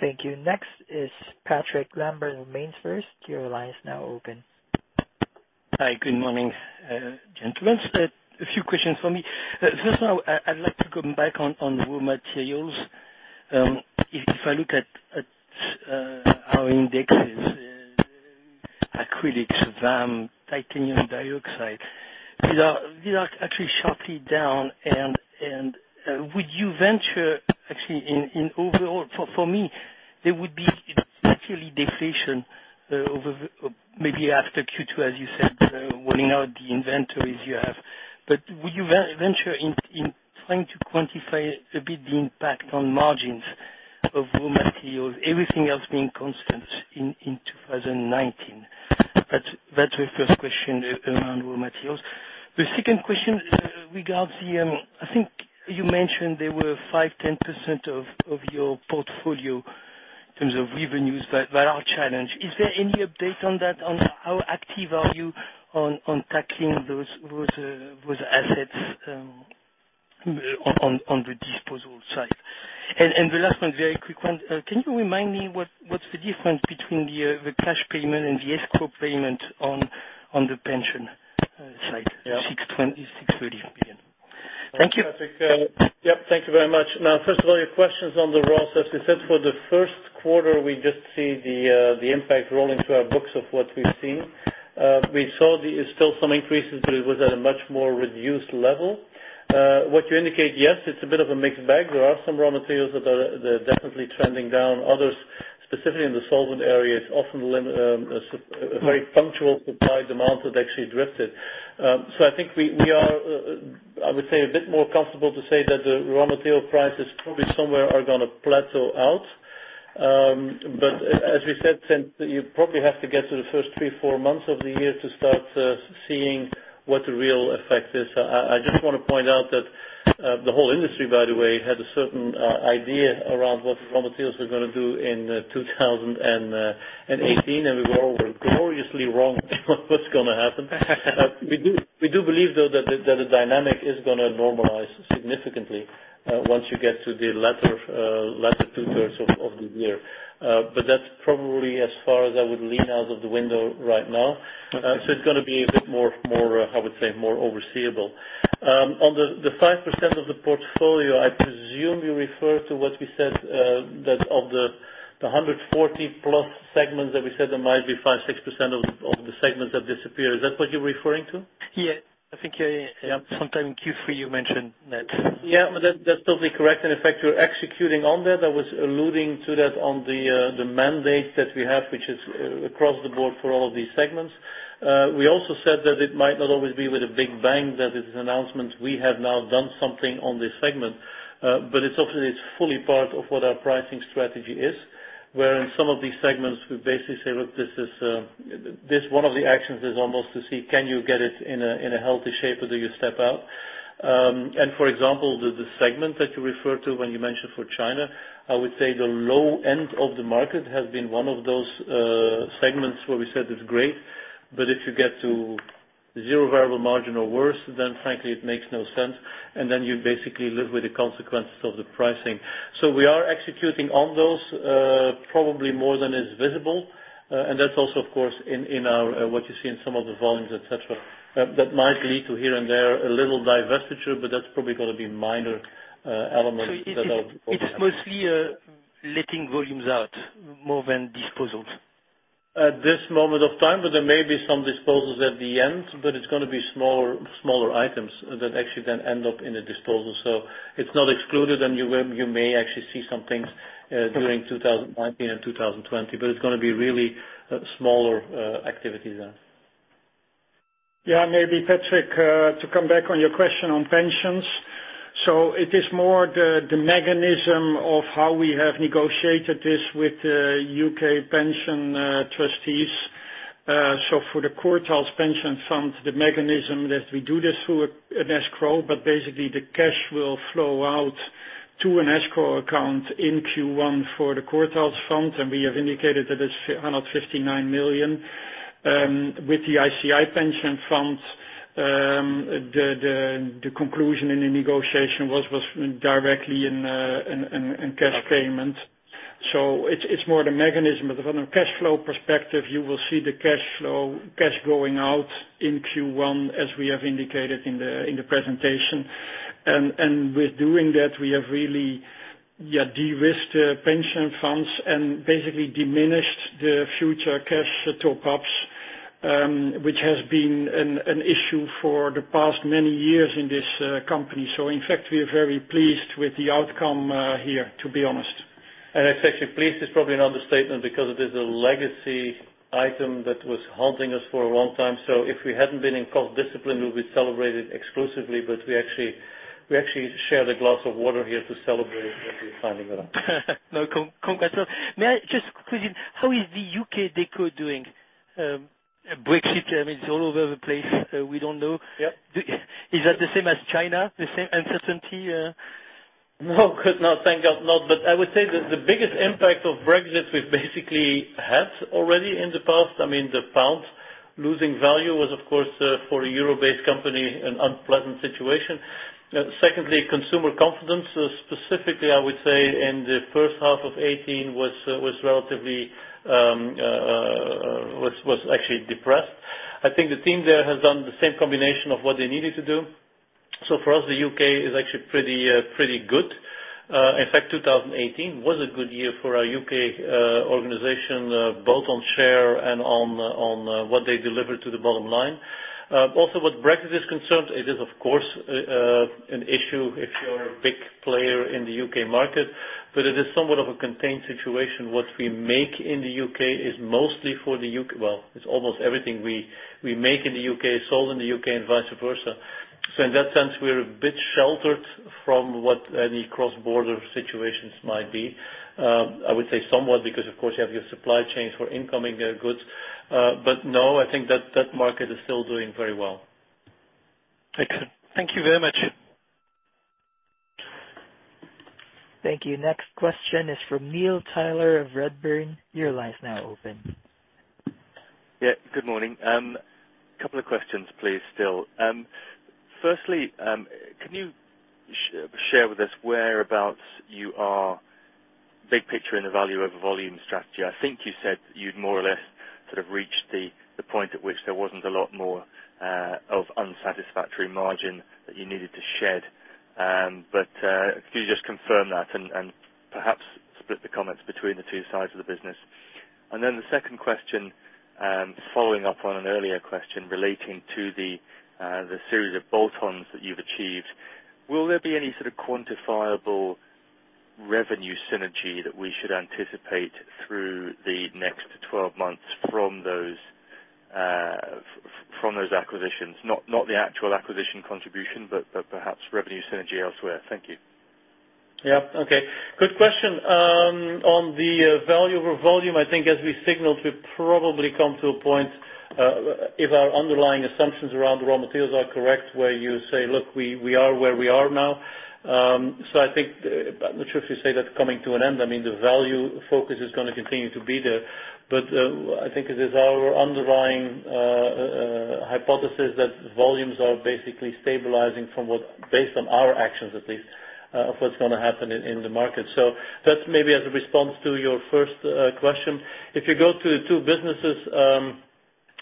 [SPEAKER 1] Thank you. Next is Patrick Lambert of MainFirst. Your line is now open.
[SPEAKER 9] Hi, good morning, gentlemen. A few questions for me. First of all, I'd like to come back on raw materials. If I look at our indexes, acrylics, titanium dioxide, these are actually sharply down. Would you venture, actually, in overall For me, there would be actually deflation over maybe after Q2, as you said, rolling out the inventories you have. Would you venture in trying to quantify a bit the impact on margins of raw materials, everything else being constant in 2019? That's my first question around raw materials. The second question regards, I think you mentioned there were 5%, 10% of your portfolio In terms of revenues that are challenged. Is there any update on that, on how active are you on tackling those assets on the disposal side? The last one, very quick one. Can you remind me what's the difference between the cash payment and the escrow payment on the pension side? Yeah. 620 million, 630 million. Thank you.
[SPEAKER 3] Patrick. Yep. Thank you very much. First of all, your questions on the raw. As we said, for the first quarter, we just see the impact rolling through our books of what we've seen. We saw there is still some increases, but it was at a much more reduced level. What you indicate, yes, it's a bit of a mixed bag. There are some raw materials that are definitely trending down. Others, specifically in the solvent area, it's often very punctual supply, demand that actually drifted. I think we are, I would say, a bit more comfortable to say that the raw material prices probably somewhere are going to plateau out. As we said, you probably have to get to the first three, four months of the year to start seeing what the real effect is. I just want to point out that the whole industry, by the way, had a certain idea around what raw materials are going to do in 2018, we were all gloriously wrong about what's going to happen. We do believe, though, that the dynamic is going to normalize significantly once you get to the latter two-thirds of the year. That's probably as far as I would lean out of the window right now. Okay. It's going to be a bit more, I would say, more overseeable. On the 5% of the portfolio, I presume you refer to what we said that of the 140-plus segments that we said there might be 5%, 6% of the segments that disappear. Is that what you are referring to? Yeah. I think sometime in Q3 you mentioned that. Yeah, that is totally correct. In fact, we are executing on that. I was alluding to that on the mandate that we have, which is across the board for all of these segments. We also said that it might not always be with a big bang, that it is an announcement, we have now done something on this segment. It is often it is fully part of what our pricing strategy is, where in some of these segments, we basically say, "Look, one of the actions is almost to see, can you get it in a healthy shape or do you step out?" For example, the segment that you refer to when you mentioned for China, I would say the low end of the market has been one of those segments where we said it is great, but if you get to zero variable margin or worse, frankly, it makes no sense. You basically live with the consequences of the pricing. We are executing on those, probably more than is visible. That is also, of course, in what you see in some of the volumes, et cetera. That might lead to here and there a little divestiture, but that is probably going to be minor elements that.
[SPEAKER 9] So it is mostly letting volumes out more than disposals?
[SPEAKER 3] At this moment of time, but there may be some disposals at the end, but it is going to be smaller items that actually then end up in a disposal. It is not excluded, you may actually see some things during 2019 and 2020, but it is going to be really smaller activity there.
[SPEAKER 4] Maybe Patrick, to come back on your question on pensions. It is more the mechanism of how we have negotiated this with U.K. pension trustees. For the Courtaulds Pension Fund, the mechanism that we do this through an escrow, basically, the cash will flow out to an escrow account in Q1 for the Courtaulds fund, and we have indicated that it is 159 million. With the ICI Pension Fund, the conclusion in the negotiation was directly in cash payment. It is more the mechanism, but from a cash flow perspective, you will see the cash going out in Q1, as we have indicated in the presentation. With doing that, we have really de-risked pension funds and basically diminished the future cash top-ups, which has been an issue for the past many years in this company. In fact, we are very pleased with the outcome here, to be honest.
[SPEAKER 3] Actually, pleased is probably an understatement because it is a legacy item that was haunting us for a long time. If we hadn't been in cost discipline, we will be celebrating exclusively, but we actually share the glass of water here to celebrate what we are finding out.
[SPEAKER 9] Congrats. May I just quickly, how is the U.K. Deco doing? Brexit, it's all over the place. We don't know. Yep. Is that the same as China? The same uncertainty?
[SPEAKER 3] No. God, no. Thank God not. I would say that the biggest impact of Brexit we've basically had already in the past. The pound losing value was, of course, for a EUR-based company, an unpleasant situation. Secondly, consumer confidence, specifically, I would say in the first half of 2018 was relatively, was actually depressed. I think the team there has done the same combination of what they needed to do. For us, the U.K. is actually pretty good. In fact, 2018 was a good year for our U.K. organization, both on share and on what they delivered to the bottom line. Also, what Brexit is concerned, it is of course, an issue if you're a big player in the U.K. market, but it is somewhat of a contained situation. What we make in the U.K. is mostly for the Well, it's almost everything we make in the U.K. is sold in the U.K. and vice versa. In that sense, we're a bit sheltered from what any cross-border situations might be. I would say somewhat, because of course, you have your supply chains for incoming goods. No, I think that market is still doing very well.
[SPEAKER 9] Excellent. Thank you very much.
[SPEAKER 1] Thank you. Next question is from Neil Tyler of Redburn. Your line's now open.
[SPEAKER 10] Yeah, good morning. Couple of questions, please, still. Firstly, can you share with us whereabouts you are big picture in the value over volume strategy? I think you said you'd more or less sort of reached the point at which there wasn't a lot more of unsatisfactory margin that you needed to shed. Can you just confirm that and perhaps split the comments between the two sides of the business? The second question, following up on an earlier question relating to the series of bolt-ons that you've achieved. Will there be any sort of quantifiable revenue synergy that we should anticipate through the next 12 months from those acquisitions? Not the actual acquisition contribution, but perhaps revenue synergy elsewhere. Thank you.
[SPEAKER 3] Yeah. Okay. Good question. On the value over volume, I think as we signaled, we've probably come to a point, if our underlying assumptions around raw materials are correct, where you say, "Look, we are where we are now." I think, I'm not sure if you say that's coming to an end. I mean, the value focus is gonna continue to be there. I think it is our underlying hypothesis that volumes are basically stabilizing based on our actions at least, of what's gonna happen in the market. That's maybe as a response to your first question. If you go to the two businesses,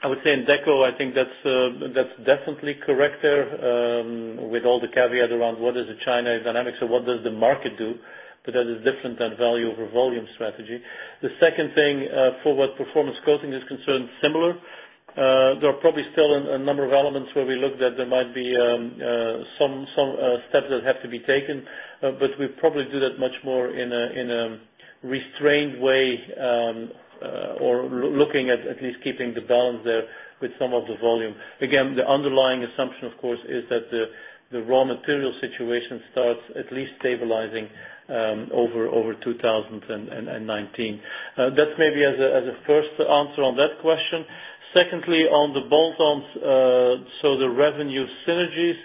[SPEAKER 3] I would say in Deco, I think that's definitely correct there, with all the caveat around what is the China dynamics or what does the market do. That is different than value over volume strategy. The second thing, for what Performance Coatings is concerned, similar. There are probably still a number of elements where we looked at there might be some steps that have to be taken, we probably do that much more in a restrained way, or looking at at least keeping the balance there with some of the volume. Again, the underlying assumption, of course, is that the raw material situation starts at least stabilizing over 2019. That's maybe as a first answer on that question. Secondly, on the bolt-ons, so the revenue synergies,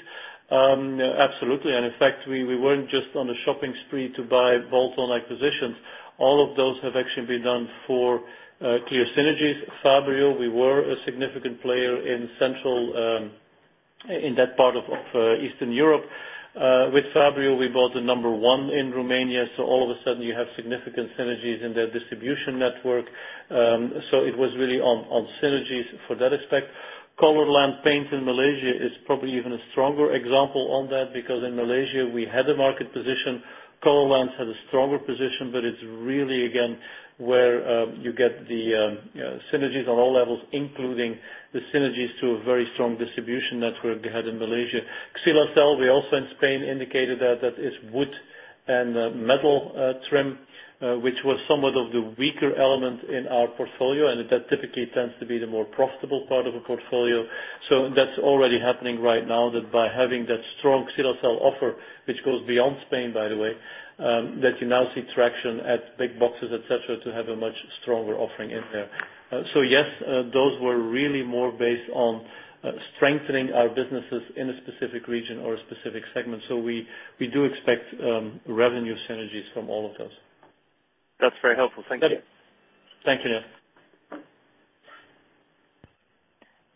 [SPEAKER 3] absolutely. In fact, we weren't just on a shopping spree to buy bolt-on acquisitions. All of those have actually been done for clear synergies. Fabryo, we were a significant player in that part of Eastern Europe. With Fabryo, we bought the number one in Romania, all of a sudden you have significant synergies in their distribution network. It was really on synergies for that aspect. Colourland Paints in Malaysia is probably even a stronger example on that, because in Malaysia, we had a market position. Colourland had a stronger position, it's really, again, where you get the synergies on all levels, including the synergies to a very strong distribution network they had in Malaysia. Xylazel, we also in Spain indicated that that is wood and metal trim, which was somewhat of the weaker element in our portfolio, that typically tends to be the more profitable part of a portfolio. That's already happening right now, that by having that strong Xylazel offer, which goes beyond Spain, by the way, that you now see traction at big boxes, et cetera, to have a much stronger offering in there. Yes, those were really more based on strengthening our businesses in a specific region or a specific segment. We do expect revenue synergies from all of those.
[SPEAKER 10] That's very helpful. Thank you.
[SPEAKER 3] Thank you, Neil.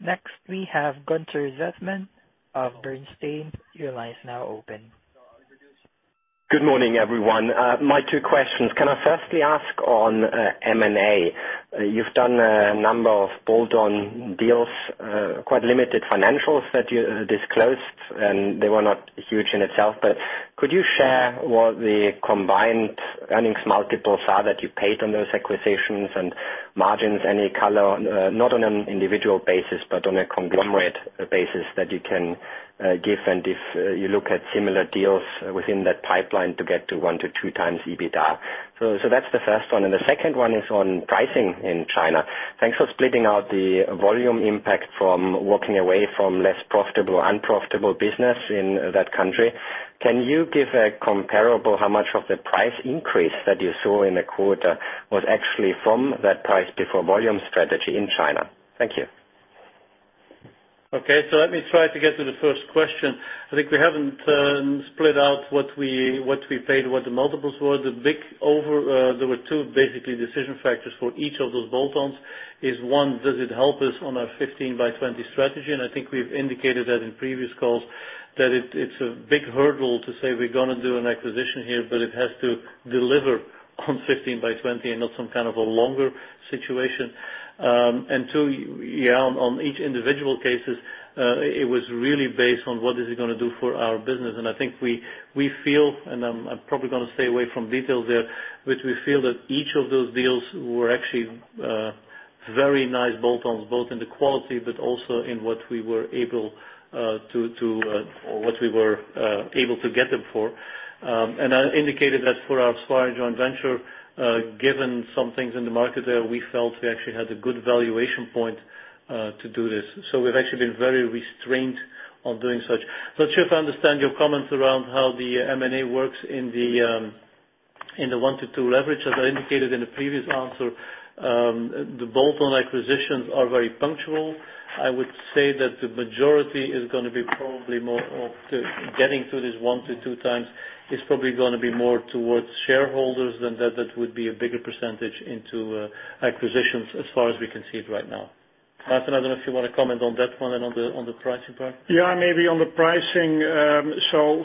[SPEAKER 1] Next, we have Gunther Zechmann of Bernstein. Your line is now open.
[SPEAKER 11] Good morning, everyone. My two questions. Can I firstly ask on M&A, you've done a number of bolt-on deals, quite limited financials that you disclosed, and they were not huge in itself, but could you share what the combined earnings multiples are that you paid on those acquisitions and margins? Any color, not on an individual basis, but on a conglomerate basis that you can give, and if you look at similar deals within that pipeline to get to 1x to 2x EBITDA. That's the first one, and the second one is on pricing in China. Thanks for splitting out the volume impact from walking away from less profitable or unprofitable business in that country. Can you give a comparable how much of the price increase that you saw in the quarter was actually from that price before volume strategy in China? Thank you.
[SPEAKER 3] Okay. Let me try to get to the first question. I think we haven't split out what we paid, what the multiples were. There were two basically decision factors for each of those bolt-ons is one, does it help us on our 15 by 20 strategy? I think we've indicated that in previous calls, that it's a big hurdle to say we're going to do an acquisition here, but it has to deliver on 15 by 20 and not some kind of a longer situation. Two, yeah, on each individual cases, it was really based on what is it going to do for our business. I think we feel, and I'm probably going to stay away from details there, but we feel that each of those deals were actually very nice bolt-ons, both in the quality, but also in what we were able to get them for. I indicated that for our Swire joint venture, given some things in the market there, we felt we actually had a good valuation point to do this. We've actually been very restrained on doing such. Not sure if I understand your comments around how the M&A works in the one to two leverage, as I indicated in the previous answer, the bolt-on acquisitions are very punctual. I would say that the majority is going to be probably more of getting to this one to two times is probably going to be more towards shareholders than that would be a bigger percentage into acquisitions as far as we can see it right now. Maarten, I don't know if you want to comment on that one and on the pricing part.
[SPEAKER 4] Yeah, maybe on the pricing.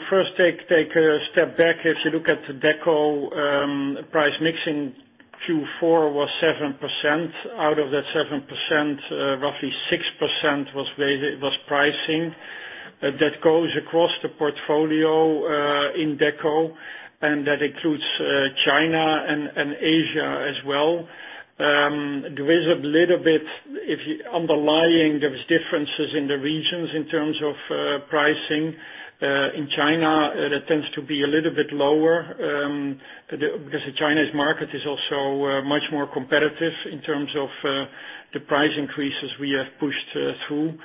[SPEAKER 4] First take a step back. If you look at Deco, price mixing Q4 was 7%. Out of that 7%, roughly 6% was pricing. That goes across the portfolio in Deco, and that includes China and Asia as well. There is a little bit, underlying, there's differences in the regions in terms of pricing. In China, that tends to be a little bit lower, because China's market is also much more competitive in terms of the price increases we have pushed through.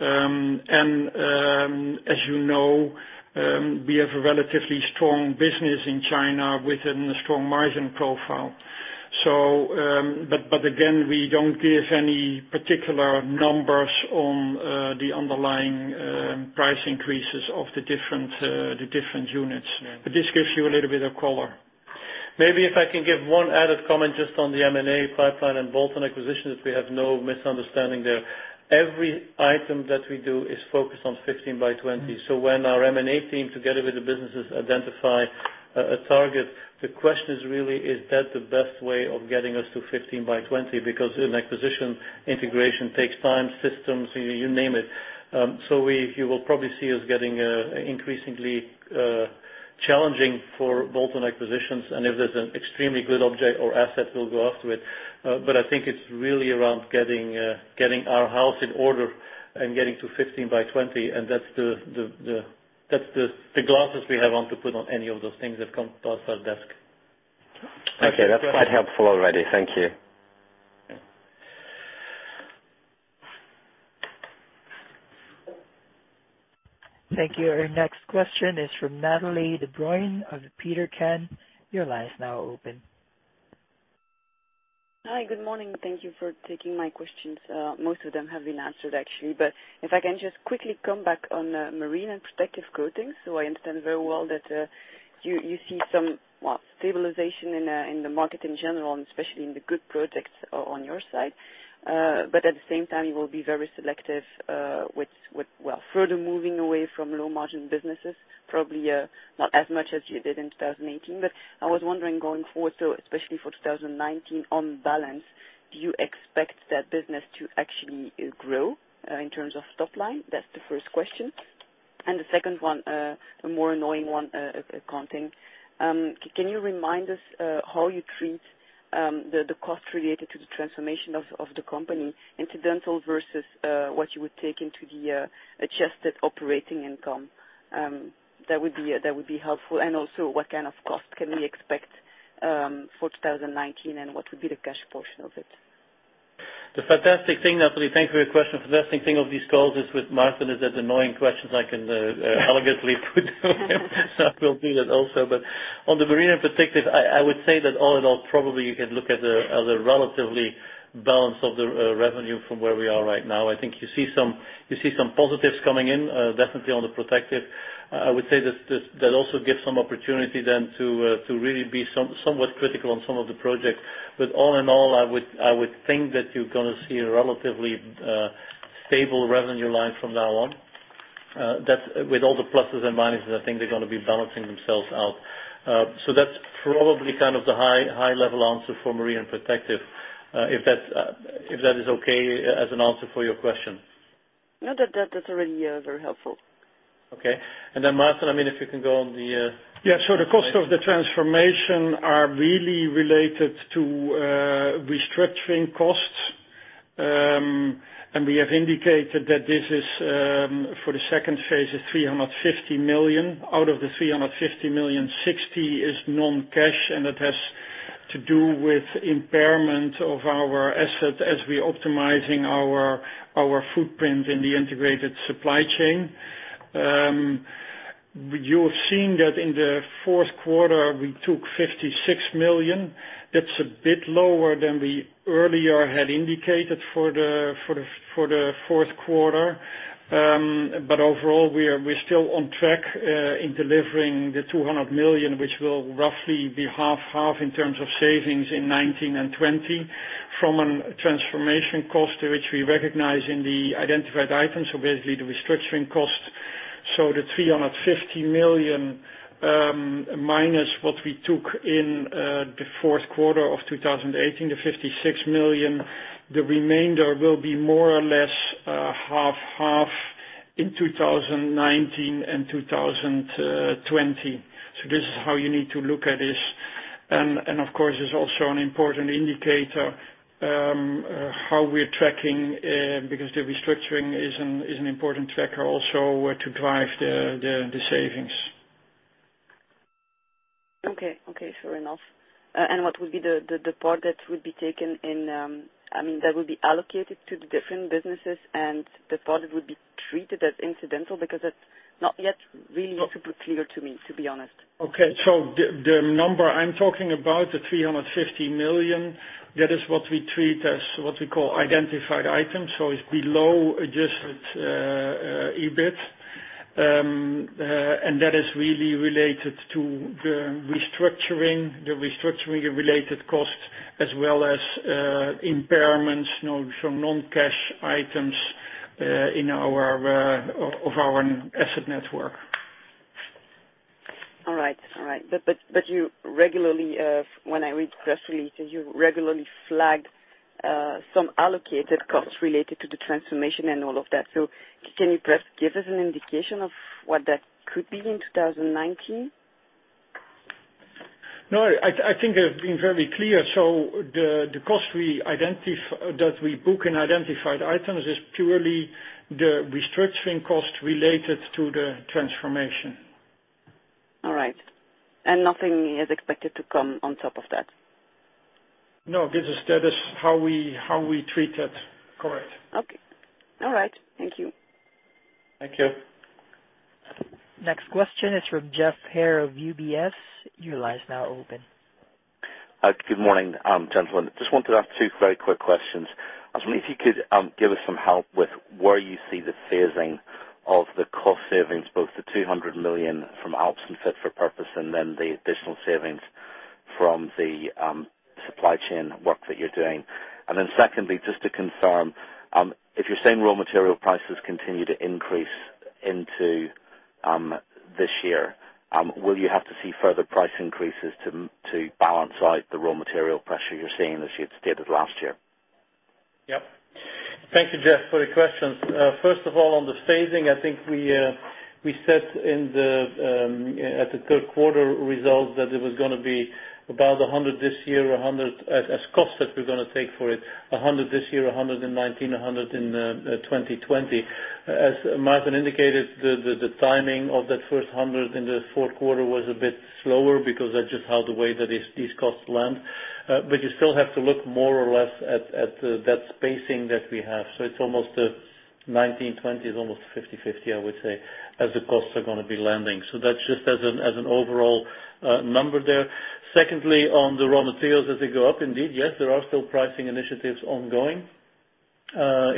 [SPEAKER 4] As you know, we have a relatively strong business in China with a strong margin profile. Again, we don't give any particular numbers on the underlying price increases of the different units.
[SPEAKER 3] Yeah.
[SPEAKER 4] This gives you a little bit of color.
[SPEAKER 3] Maybe if I can give one added comment just on the M&A pipeline and bolt-on acquisitions, we have no misunderstanding there. Every item that we do is focused on 15 by 20. When our M&A team, together with the businesses, identify a target, the question is really, is that the best way of getting us to 15 by 20? Because an acquisition integration takes time, systems, you name it. You will probably see us getting increasingly challenging for bolt-on acquisitions, and if there's an extremely good object or asset, we'll go after it. I think it's really around getting our house in order and getting to 15 by 20, and that's the glasses we have on to put on any of those things that come across our desk.
[SPEAKER 11] Okay. That's quite helpful already. Thank you.
[SPEAKER 1] Thank you. Our next question is from Nathalie Debruyne of Petercam. Your line is now open.
[SPEAKER 12] Hi, good morning. Thank you for taking my questions. Most of them have been answered actually, but if I can just quickly come back on Marine and Protective Coatings. I understand very well that you see some stabilization in the market in general, and especially in the good projects on your side. At the same time, you will be very selective with further moving away from low margin businesses, probably not as much as you did in 2018. I was wondering going forward, so especially for 2019 on balance, do you expect that business to actually grow, in terms of top line? That's the first question. The second one, a more annoying one, accounting. Can you remind us how you treat the cost related to the transformation of the company, incidental versus what you would take into the adjusted operating income? That would be helpful. Also, what kind of cost can we expect for 2019 and what would be the cash portion of it?
[SPEAKER 3] The fantastic thing, Natalie, thank you for your question. The best thing of these calls is with Maarten is that annoying questions I can elegantly put to him. I will do that also. On the Marine in particular, I would say that all in all probably you can look at the relatively balance of the revenue from where we are right now. I think you see some positives coming in, definitely on the protective. I would say that also gives some opportunity then to really be somewhat critical on some of the projects. All in all, I would think that you're going to see a relatively stable revenue line from now on. That with all the pluses and minuses, I think they're going to be balancing themselves out. That's probably kind of the high level answer for Marine and Protective, if that is okay as an answer for your question?
[SPEAKER 12] No, that's already very helpful.
[SPEAKER 3] Okay. Maarten, if you can go on the
[SPEAKER 4] The cost of the transformation are really related to restructuring costs. We have indicated that this is, for the second phase, is 350 million. Out of the 350 million, 60 million is non-cash, and that has to do with impairment of our assets as we're optimizing our footprint in the integrated supply chain. You have seen that in the fourth quarter, we took 56 million. That's a bit lower than we earlier had indicated for the fourth quarter. Overall, we're still on track in delivering the 200 million, which will roughly be half/half in terms of savings in 2019 and 2020 from a transformation cost, which we recognize in the identified items, so basically the restructuring cost. The 350 million, minus what we took in the fourth quarter of 2018, the 56 million, the remainder will be more or less half/half in 2019 and 2020. This is how you need to look at this. Of course, there's also an important indicator, how we're tracking, because the restructuring is an important tracker also to drive the savings.
[SPEAKER 12] Okay. What would be the part that would be taken in, that would be allocated to the different businesses, and the part that would be treated as incidental, because that's not yet really super clear to me, to be honest.
[SPEAKER 4] Okay. The number I'm talking about, the 350 million, that is what we treat as what we call identified items. It's below adjusted EBIT. That is really related to the restructuring, the restructuring-related costs, as well as impairments, some non-cash items of our asset network.
[SPEAKER 12] All right. You regularly, when I read press releases, you regularly flagged some allocated costs related to the transformation and all of that. Can you perhaps give us an indication of what that could be in 2019?
[SPEAKER 4] No, I think I've been very clear. The cost that we book in identified items is purely the restructuring cost related to the transformation.
[SPEAKER 12] All right. Nothing is expected to come on top of that?
[SPEAKER 4] No, because that is how we treat it. Correct.
[SPEAKER 12] Okay. All right. Thank you.
[SPEAKER 4] Thank you.
[SPEAKER 1] Next question is from Geoff Haire of UBS. Your line is now open.
[SPEAKER 13] Good morning, gentlemen. Just wanted to ask two very quick questions. I was wondering if you could give us some help with where you see the phasing of the cost savings, both the 200 million from ALPS and Fit for Purpose, and then the additional savings from the supply chain work that you're doing. Secondly, just to confirm, if you're saying raw material prices continue to increase into this year, will you have to see further price increases to balance out the raw material pressure you're seeing as you did last year?
[SPEAKER 3] Thank you, Geoff, for your questions. First of all, on the phasing, I think we said at the third quarter results that it was going to be about 100 million this year, 100 million as costs that we're going to take for it, 100 million this year, 100 million in 2019, 100 million in 2020. As Maarten indicated, the timing of that first 100 million in the fourth quarter was a bit slower because that's just how the way that these costs land. You still have to look more or less at that spacing that we have. It's almost a 2019/2020, is almost 50/50, I would say, as the costs are going to be landing. That's just as an overall number there. Secondly, on the raw materials as they go up, indeed, yes, there are still pricing initiatives ongoing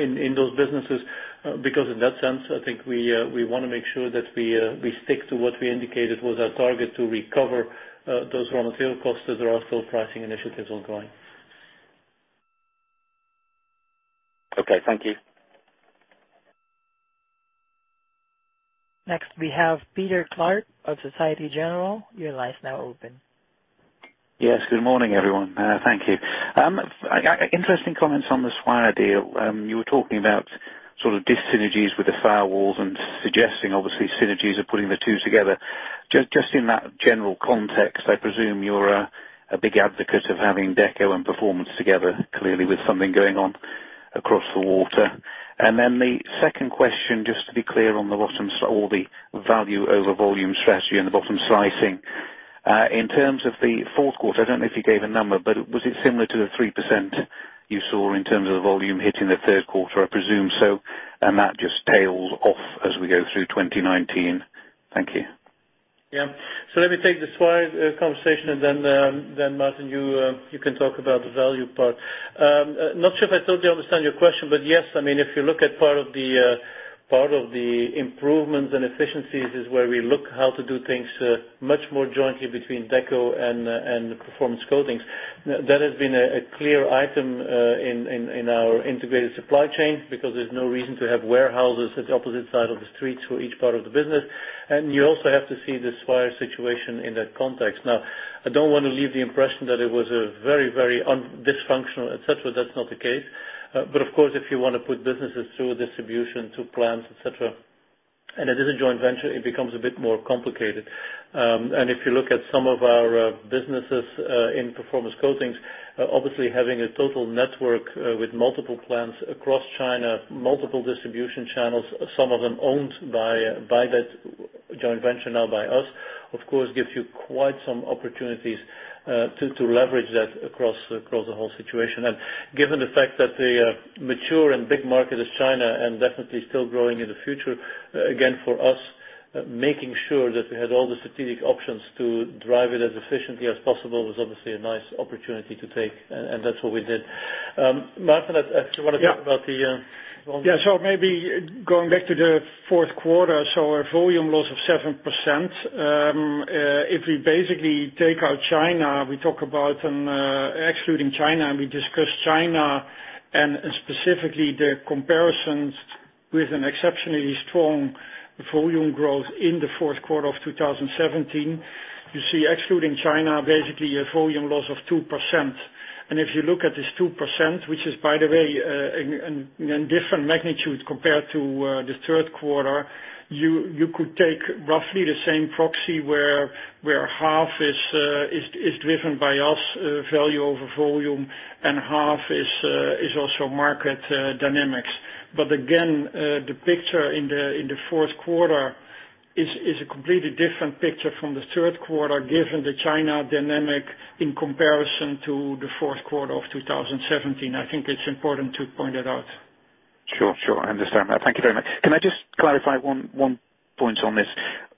[SPEAKER 3] in those businesses, because in that sense, I think we want to make sure that we stick to what we indicated was our target to recover those raw material costs as there are still pricing initiatives ongoing.
[SPEAKER 13] Okay. Thank you.
[SPEAKER 1] Next, we have Peter Clark of Société Générale. Your line's now open.
[SPEAKER 14] Yes, good morning, everyone. Thank you. Interesting comments on the Swire deal. You were talking about sort of dis-synergies with the firewalls and suggesting obviously synergies of putting the two together. Just in that general context, I presume you're a big advocate of having Deco and Performance together, clearly with something going on across the water. The second question, just to be clear on the bottoms or the Value over Volume Strategy and the bottom slicing. In terms of the fourth quarter, I don't know if you gave a number, but was it similar to the 3% you saw in terms of the volume hitting the third quarter? I presume so. That just tails off as we go through 2019. Thank you.
[SPEAKER 3] Let me take the Swire conversation, and then, Maarten, you can talk about the value part. Not sure if I totally understand your question, but yes. If you look at part of the improvements and efficiencies is where we look how to do things much more jointly between Deco and Performance Coatings. That has been a clear item in our integrated supply chain because there's no reason to have warehouses at the opposite side of the street for each part of the business. You also have to see the Swire situation in that context. I don't want to leave the impression that it was very dysfunctional, et cetera. That's not the case. Of course, if you want to put businesses through a distribution to plants, et cetera, and it is a joint venture, it becomes a bit more complicated. If you look at some of our businesses in Performance Coatings, obviously having a total network with multiple plants across China, multiple distribution channels, some of them owned by that joint venture now by us, of course, gives you quite some opportunities to leverage that across the whole situation. Given the fact that the mature and big market is China and definitely still growing in the future, again for us, making sure that we had all the strategic options to drive it as efficiently as possible was obviously a nice opportunity to take, and that's what we did. Maarten, I want to talk about the volume.
[SPEAKER 4] Maybe going back to the fourth quarter, our volume loss of 7%. If we basically take out China, we talk about excluding China, and we discuss China and specifically the comparisons with an exceptionally strong volume growth in the fourth quarter of 2017. You see, excluding China, basically a volume loss of 2%. If you look at this 2%, which is by the way, a different magnitude compared to the third quarter, you could take roughly the same proxy where half is driven by us, value over volume, and half is also market dynamics. Again, the picture in the fourth quarter is a completely different picture from the third quarter, given the China dynamic in comparison to the fourth quarter of 2017. I think it's important to point that out.
[SPEAKER 14] Sure. I understand that. Thank you very much. Can I just clarify one point on this?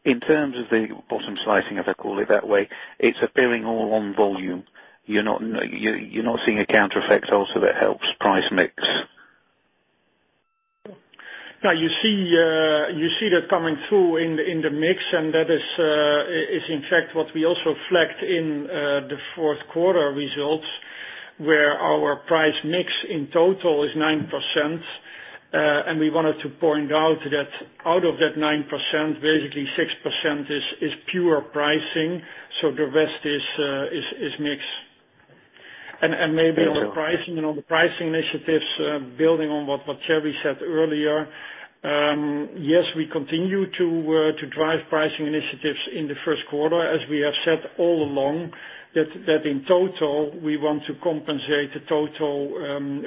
[SPEAKER 14] In terms of the bottom slicing, if I call it that way, it's appearing all on volume. You're not seeing a counter effect also that helps price mix?
[SPEAKER 4] No, you see that coming through in the mix, and that is in fact what we also reflect in the fourth quarter results, where our price mix, in total, is 9%. We wanted to point out that out of that 9%, basically 6% is pure pricing. The rest is mix.
[SPEAKER 14] Okay.
[SPEAKER 4] Maybe on the pricing initiatives, building on what Thierry said earlier, yes, we continue to drive pricing initiatives in the first quarter, as we have said all along, that in total, we want to compensate the total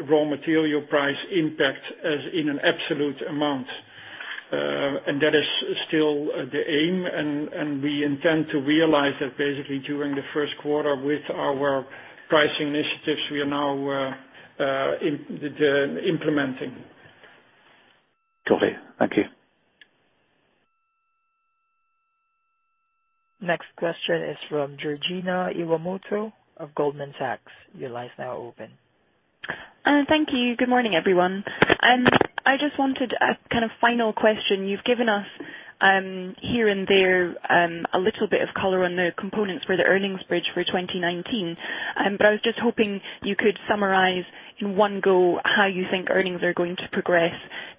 [SPEAKER 4] raw material price impact as in an absolute amount. That is still the aim, and we intend to realize that basically during the first quarter with our pricing initiatives we are now implementing.
[SPEAKER 14] Okay. Thank you.
[SPEAKER 1] Next question is from Georgina Iwamoto of Goldman Sachs. Your line's now open.
[SPEAKER 15] Thank you. Good morning, everyone. I just wanted a kind of final question. You've given us, here and there, a little bit of color on the components for the earnings bridge for 2019. I was just hoping you could summarize in one go how you think earnings are going to progress.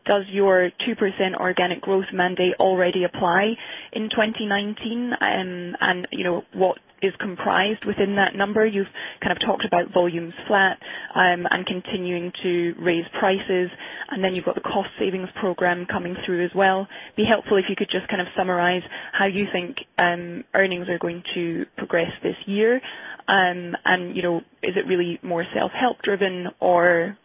[SPEAKER 15] Does your 2% organic growth mandate already apply in 2019? What is comprised within that number? You've kind of talked about volumes flat and continuing to raise prices, you've got the cost savings program coming through as well. Be helpful if you could just kind of summarize how you think earnings are going to progress this year. Is it really more self-help driven, or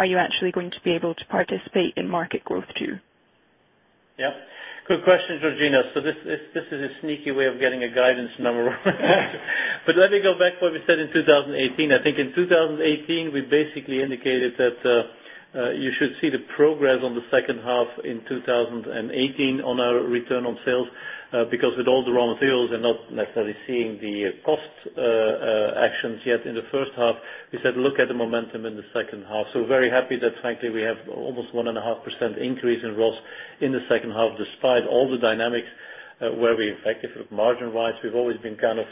[SPEAKER 15] are you actually going to be able to participate in market growth too?
[SPEAKER 3] Good question, Georgina. This is a sneaky way of getting a guidance number. Let me go back to what we said in 2018. I think in 2018, we basically indicated that you should see the progress on the second half in 2018 on our return on sales, because with all the raw materials and not necessarily seeing the cost actions yet in the first half, we said look at the momentum in the second half. We're very happy that frankly we have almost 1.5% increase in ROS in the second half, despite all the dynamics, where we, in fact, if you look margin-wise, we've always been kind of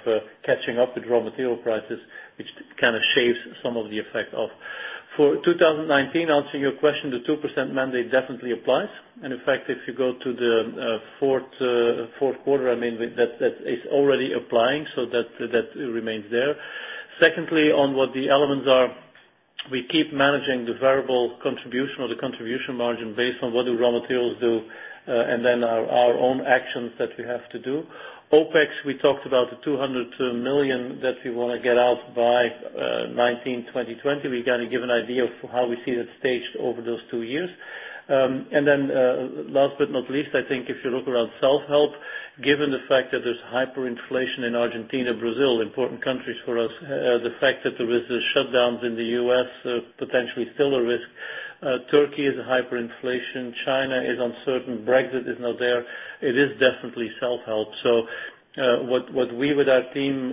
[SPEAKER 3] catching up with raw material prices, which kind of shaves some of the effect off. For 2019, answering your question, the 2% mandate definitely applies. In fact, if you go to the fourth quarter, that is already applying, so that remains there. On what the elements are, we keep managing the variable contribution or the contribution margin based on what the raw materials do, and then our own actions that we have to do. OPEX, we talked about the 200 million that we want to get out by 2019, 2020. We kind of give an idea of how we see that staged over those two years. Last but not least, I think if you look around self-help, given the fact that there is hyperinflation in Argentina, Brazil, important countries for us, the fact that there is the shutdowns in the U.S., potentially still a risk. Turkey is a hyperinflation. China is uncertain. Brexit is now there. It is definitely self-help. What we, with our team,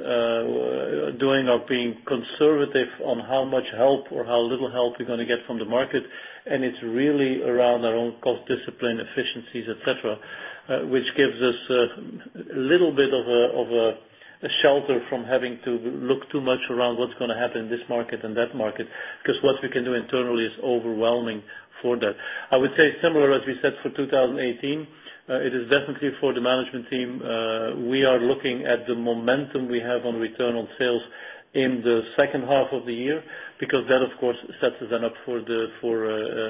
[SPEAKER 3] doing are being conservative on how much help or how little help we're going to get from the market, and it's really around our own cost discipline, efficiencies, et cetera, which gives us a little bit of a shelter from having to look too much around what's going to happen in this market and that market. What we can do internally is overwhelming for that. I would say similar, as we said for 2018, it is definitely for the management team. We are looking at the momentum we have on return on sales in the second half of the year, because that, of course, sets us then up for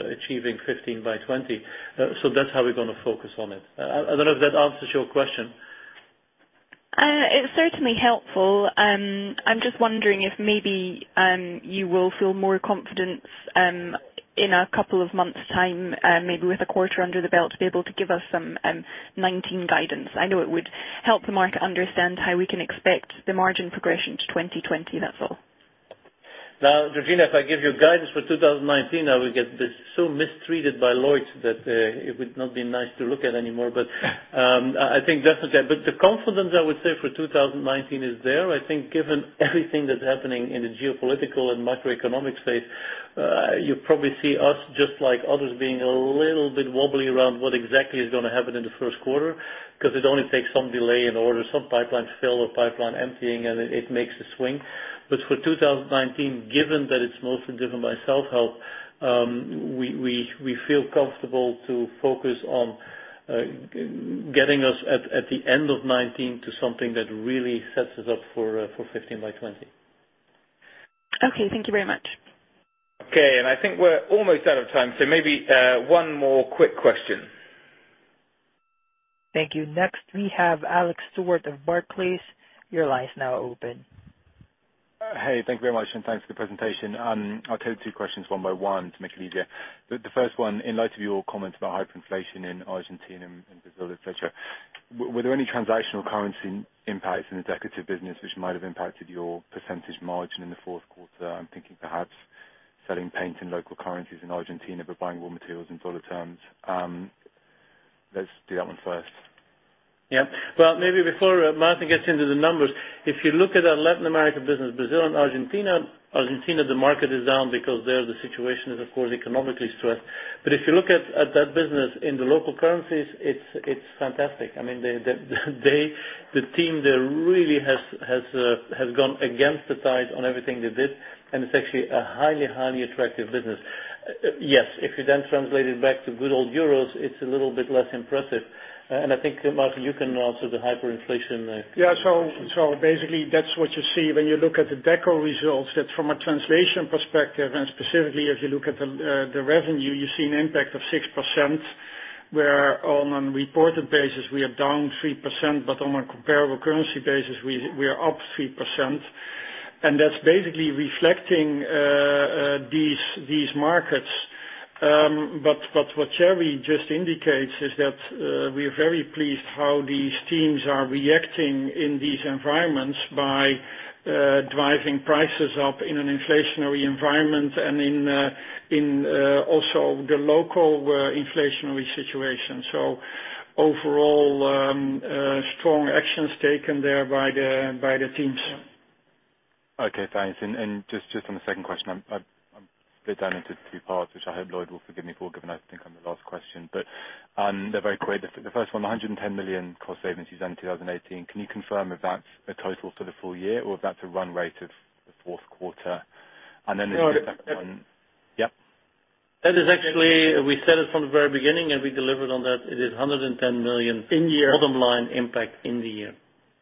[SPEAKER 3] achieving 15 by 20. That's how we're going to focus on it. I don't know if that answers your question.
[SPEAKER 15] It's certainly helpful. I'm just wondering if maybe you will feel more confidence in a couple of months' time, maybe with a quarter under the belt, to be able to give us some 2019 guidance. I know it would help the market understand how we can expect the margin progression to 2020. That's all.
[SPEAKER 3] Georgina, if I give you guidance for 2019, I would get so mistreated by Lloyd that it would not be nice to look at anymore. I think definitely. The confidence, I would say, for 2019 is there. I think given everything that's happening in the geopolitical and macroeconomic space, you probably see us, just like others, being a little bit wobbly around what exactly is going to happen in the first quarter, because it only takes some delay in order, some pipeline fill or pipeline emptying, and it makes a swing. For 2019, given that it's mostly driven by self-help, we feel comfortable to focus on getting us at the end of 2019 to something that really sets us up for 15 by 20.
[SPEAKER 15] Okay. Thank you very much.
[SPEAKER 2] Okay. I think we're almost out of time, so maybe one more quick question.
[SPEAKER 1] Thank you. Next, we have Alex Stewart of Barclays. Your line's now open.
[SPEAKER 16] Hey, thank you very much, and thanks for the presentation. I have two questions, one by one, to make it easier. The first one, in light of your comments about hyperinflation in Argentina and Brazil, et cetera, were there any transactional currency impacts in the decorative business which might have impacted your percentage margin in the fourth quarter? I'm thinking perhaps selling paint in local currencies in Argentina, but buying raw materials in dollar terms. Let's do that one first.
[SPEAKER 3] Well, maybe before Maarten gets into the numbers, if you look at our Latin America business, Brazil and Argentina, the market is down because there the situation is, of course, economically stressed. If you look at that business in the local currencies, it's fantastic. The team there really has gone against the tide on everything they did, and it's actually a highly attractive business. If you then translate it back to good old EUR, it's a little bit less impressive. I think, Maarten, you can answer the hyperinflation question.
[SPEAKER 4] Basically, that's what you see when you look at the Deco results, that from a translation perspective, specifically if you look at the revenue, you see an impact of 6% where, on a reported basis, we are down 3%, on a comparable currency basis, we are up 3%. That's basically reflecting these markets. What Thierry just indicates is that we're very pleased how these teams are reacting in these environments by driving prices up in an inflationary environment and in also the local inflationary situation. Overall, strong actions taken there by the teams.
[SPEAKER 16] Okay, thanks. Just on the second question, I've broken it down into two parts, which I hope Lloyd will forgive me for, given I think I'm the last question. They're very quick. The first one, 110 million cost savings is end 2018. Can you confirm if that's a total for the full year or if that's a run rate of the fourth quarter? Then the second one-
[SPEAKER 4] No.
[SPEAKER 16] Yep.
[SPEAKER 4] That is actually, we said it from the very beginning, we delivered on that. It is 110 million-
[SPEAKER 3] In year
[SPEAKER 4] Bottom line impact in the year.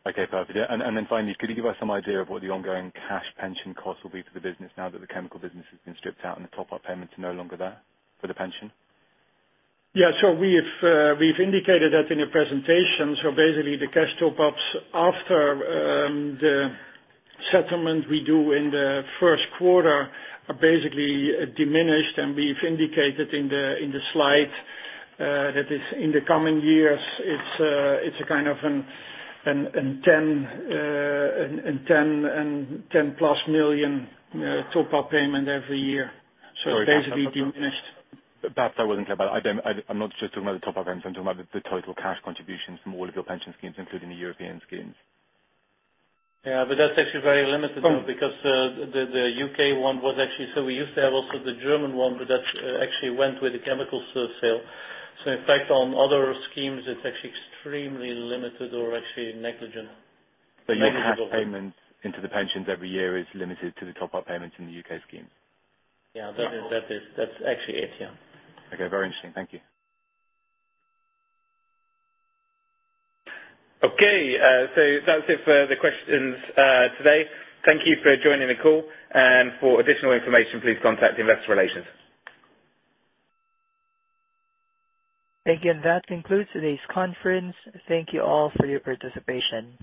[SPEAKER 16] Okay, perfect. Yeah. Finally, could you give us some idea of what the ongoing cash pension cost will be for the business now that the chemical business has been stripped out and the top-up payments are no longer there for the pension?
[SPEAKER 4] Yeah. We've indicated that in the presentation. Basically, the cash top-ups after the settlement we do in the first quarter are basically diminished, and we've indicated in the slide that in the coming years it's a kind of a 10 and plus million top-up payment every year.
[SPEAKER 16] Sorry.
[SPEAKER 4] It's basically diminished.
[SPEAKER 16] That I wasn't clear about. I'm not just talking about the top-up payments. I'm talking about the total cash contributions from all of your pension schemes, including the European schemes.
[SPEAKER 3] That's actually very limited though.
[SPEAKER 16] Oh.
[SPEAKER 3] The U.K. one was actually, we used to have also the German one, but that actually went with the chemicals sale. In fact, on other schemes, it's actually extremely limited or actually negligent.
[SPEAKER 16] Your cash payments into the pensions every year is limited to the top-up payments in the U.K. schemes?
[SPEAKER 3] Yeah.
[SPEAKER 4] Yeah.
[SPEAKER 3] That's actually it, yeah.
[SPEAKER 16] Okay, very interesting. Thank you.
[SPEAKER 2] Okay, that's it for the questions today. Thank you for joining the call. For additional information, please contact investor relations.
[SPEAKER 1] Again, that concludes today's conference. Thank you all for your participation.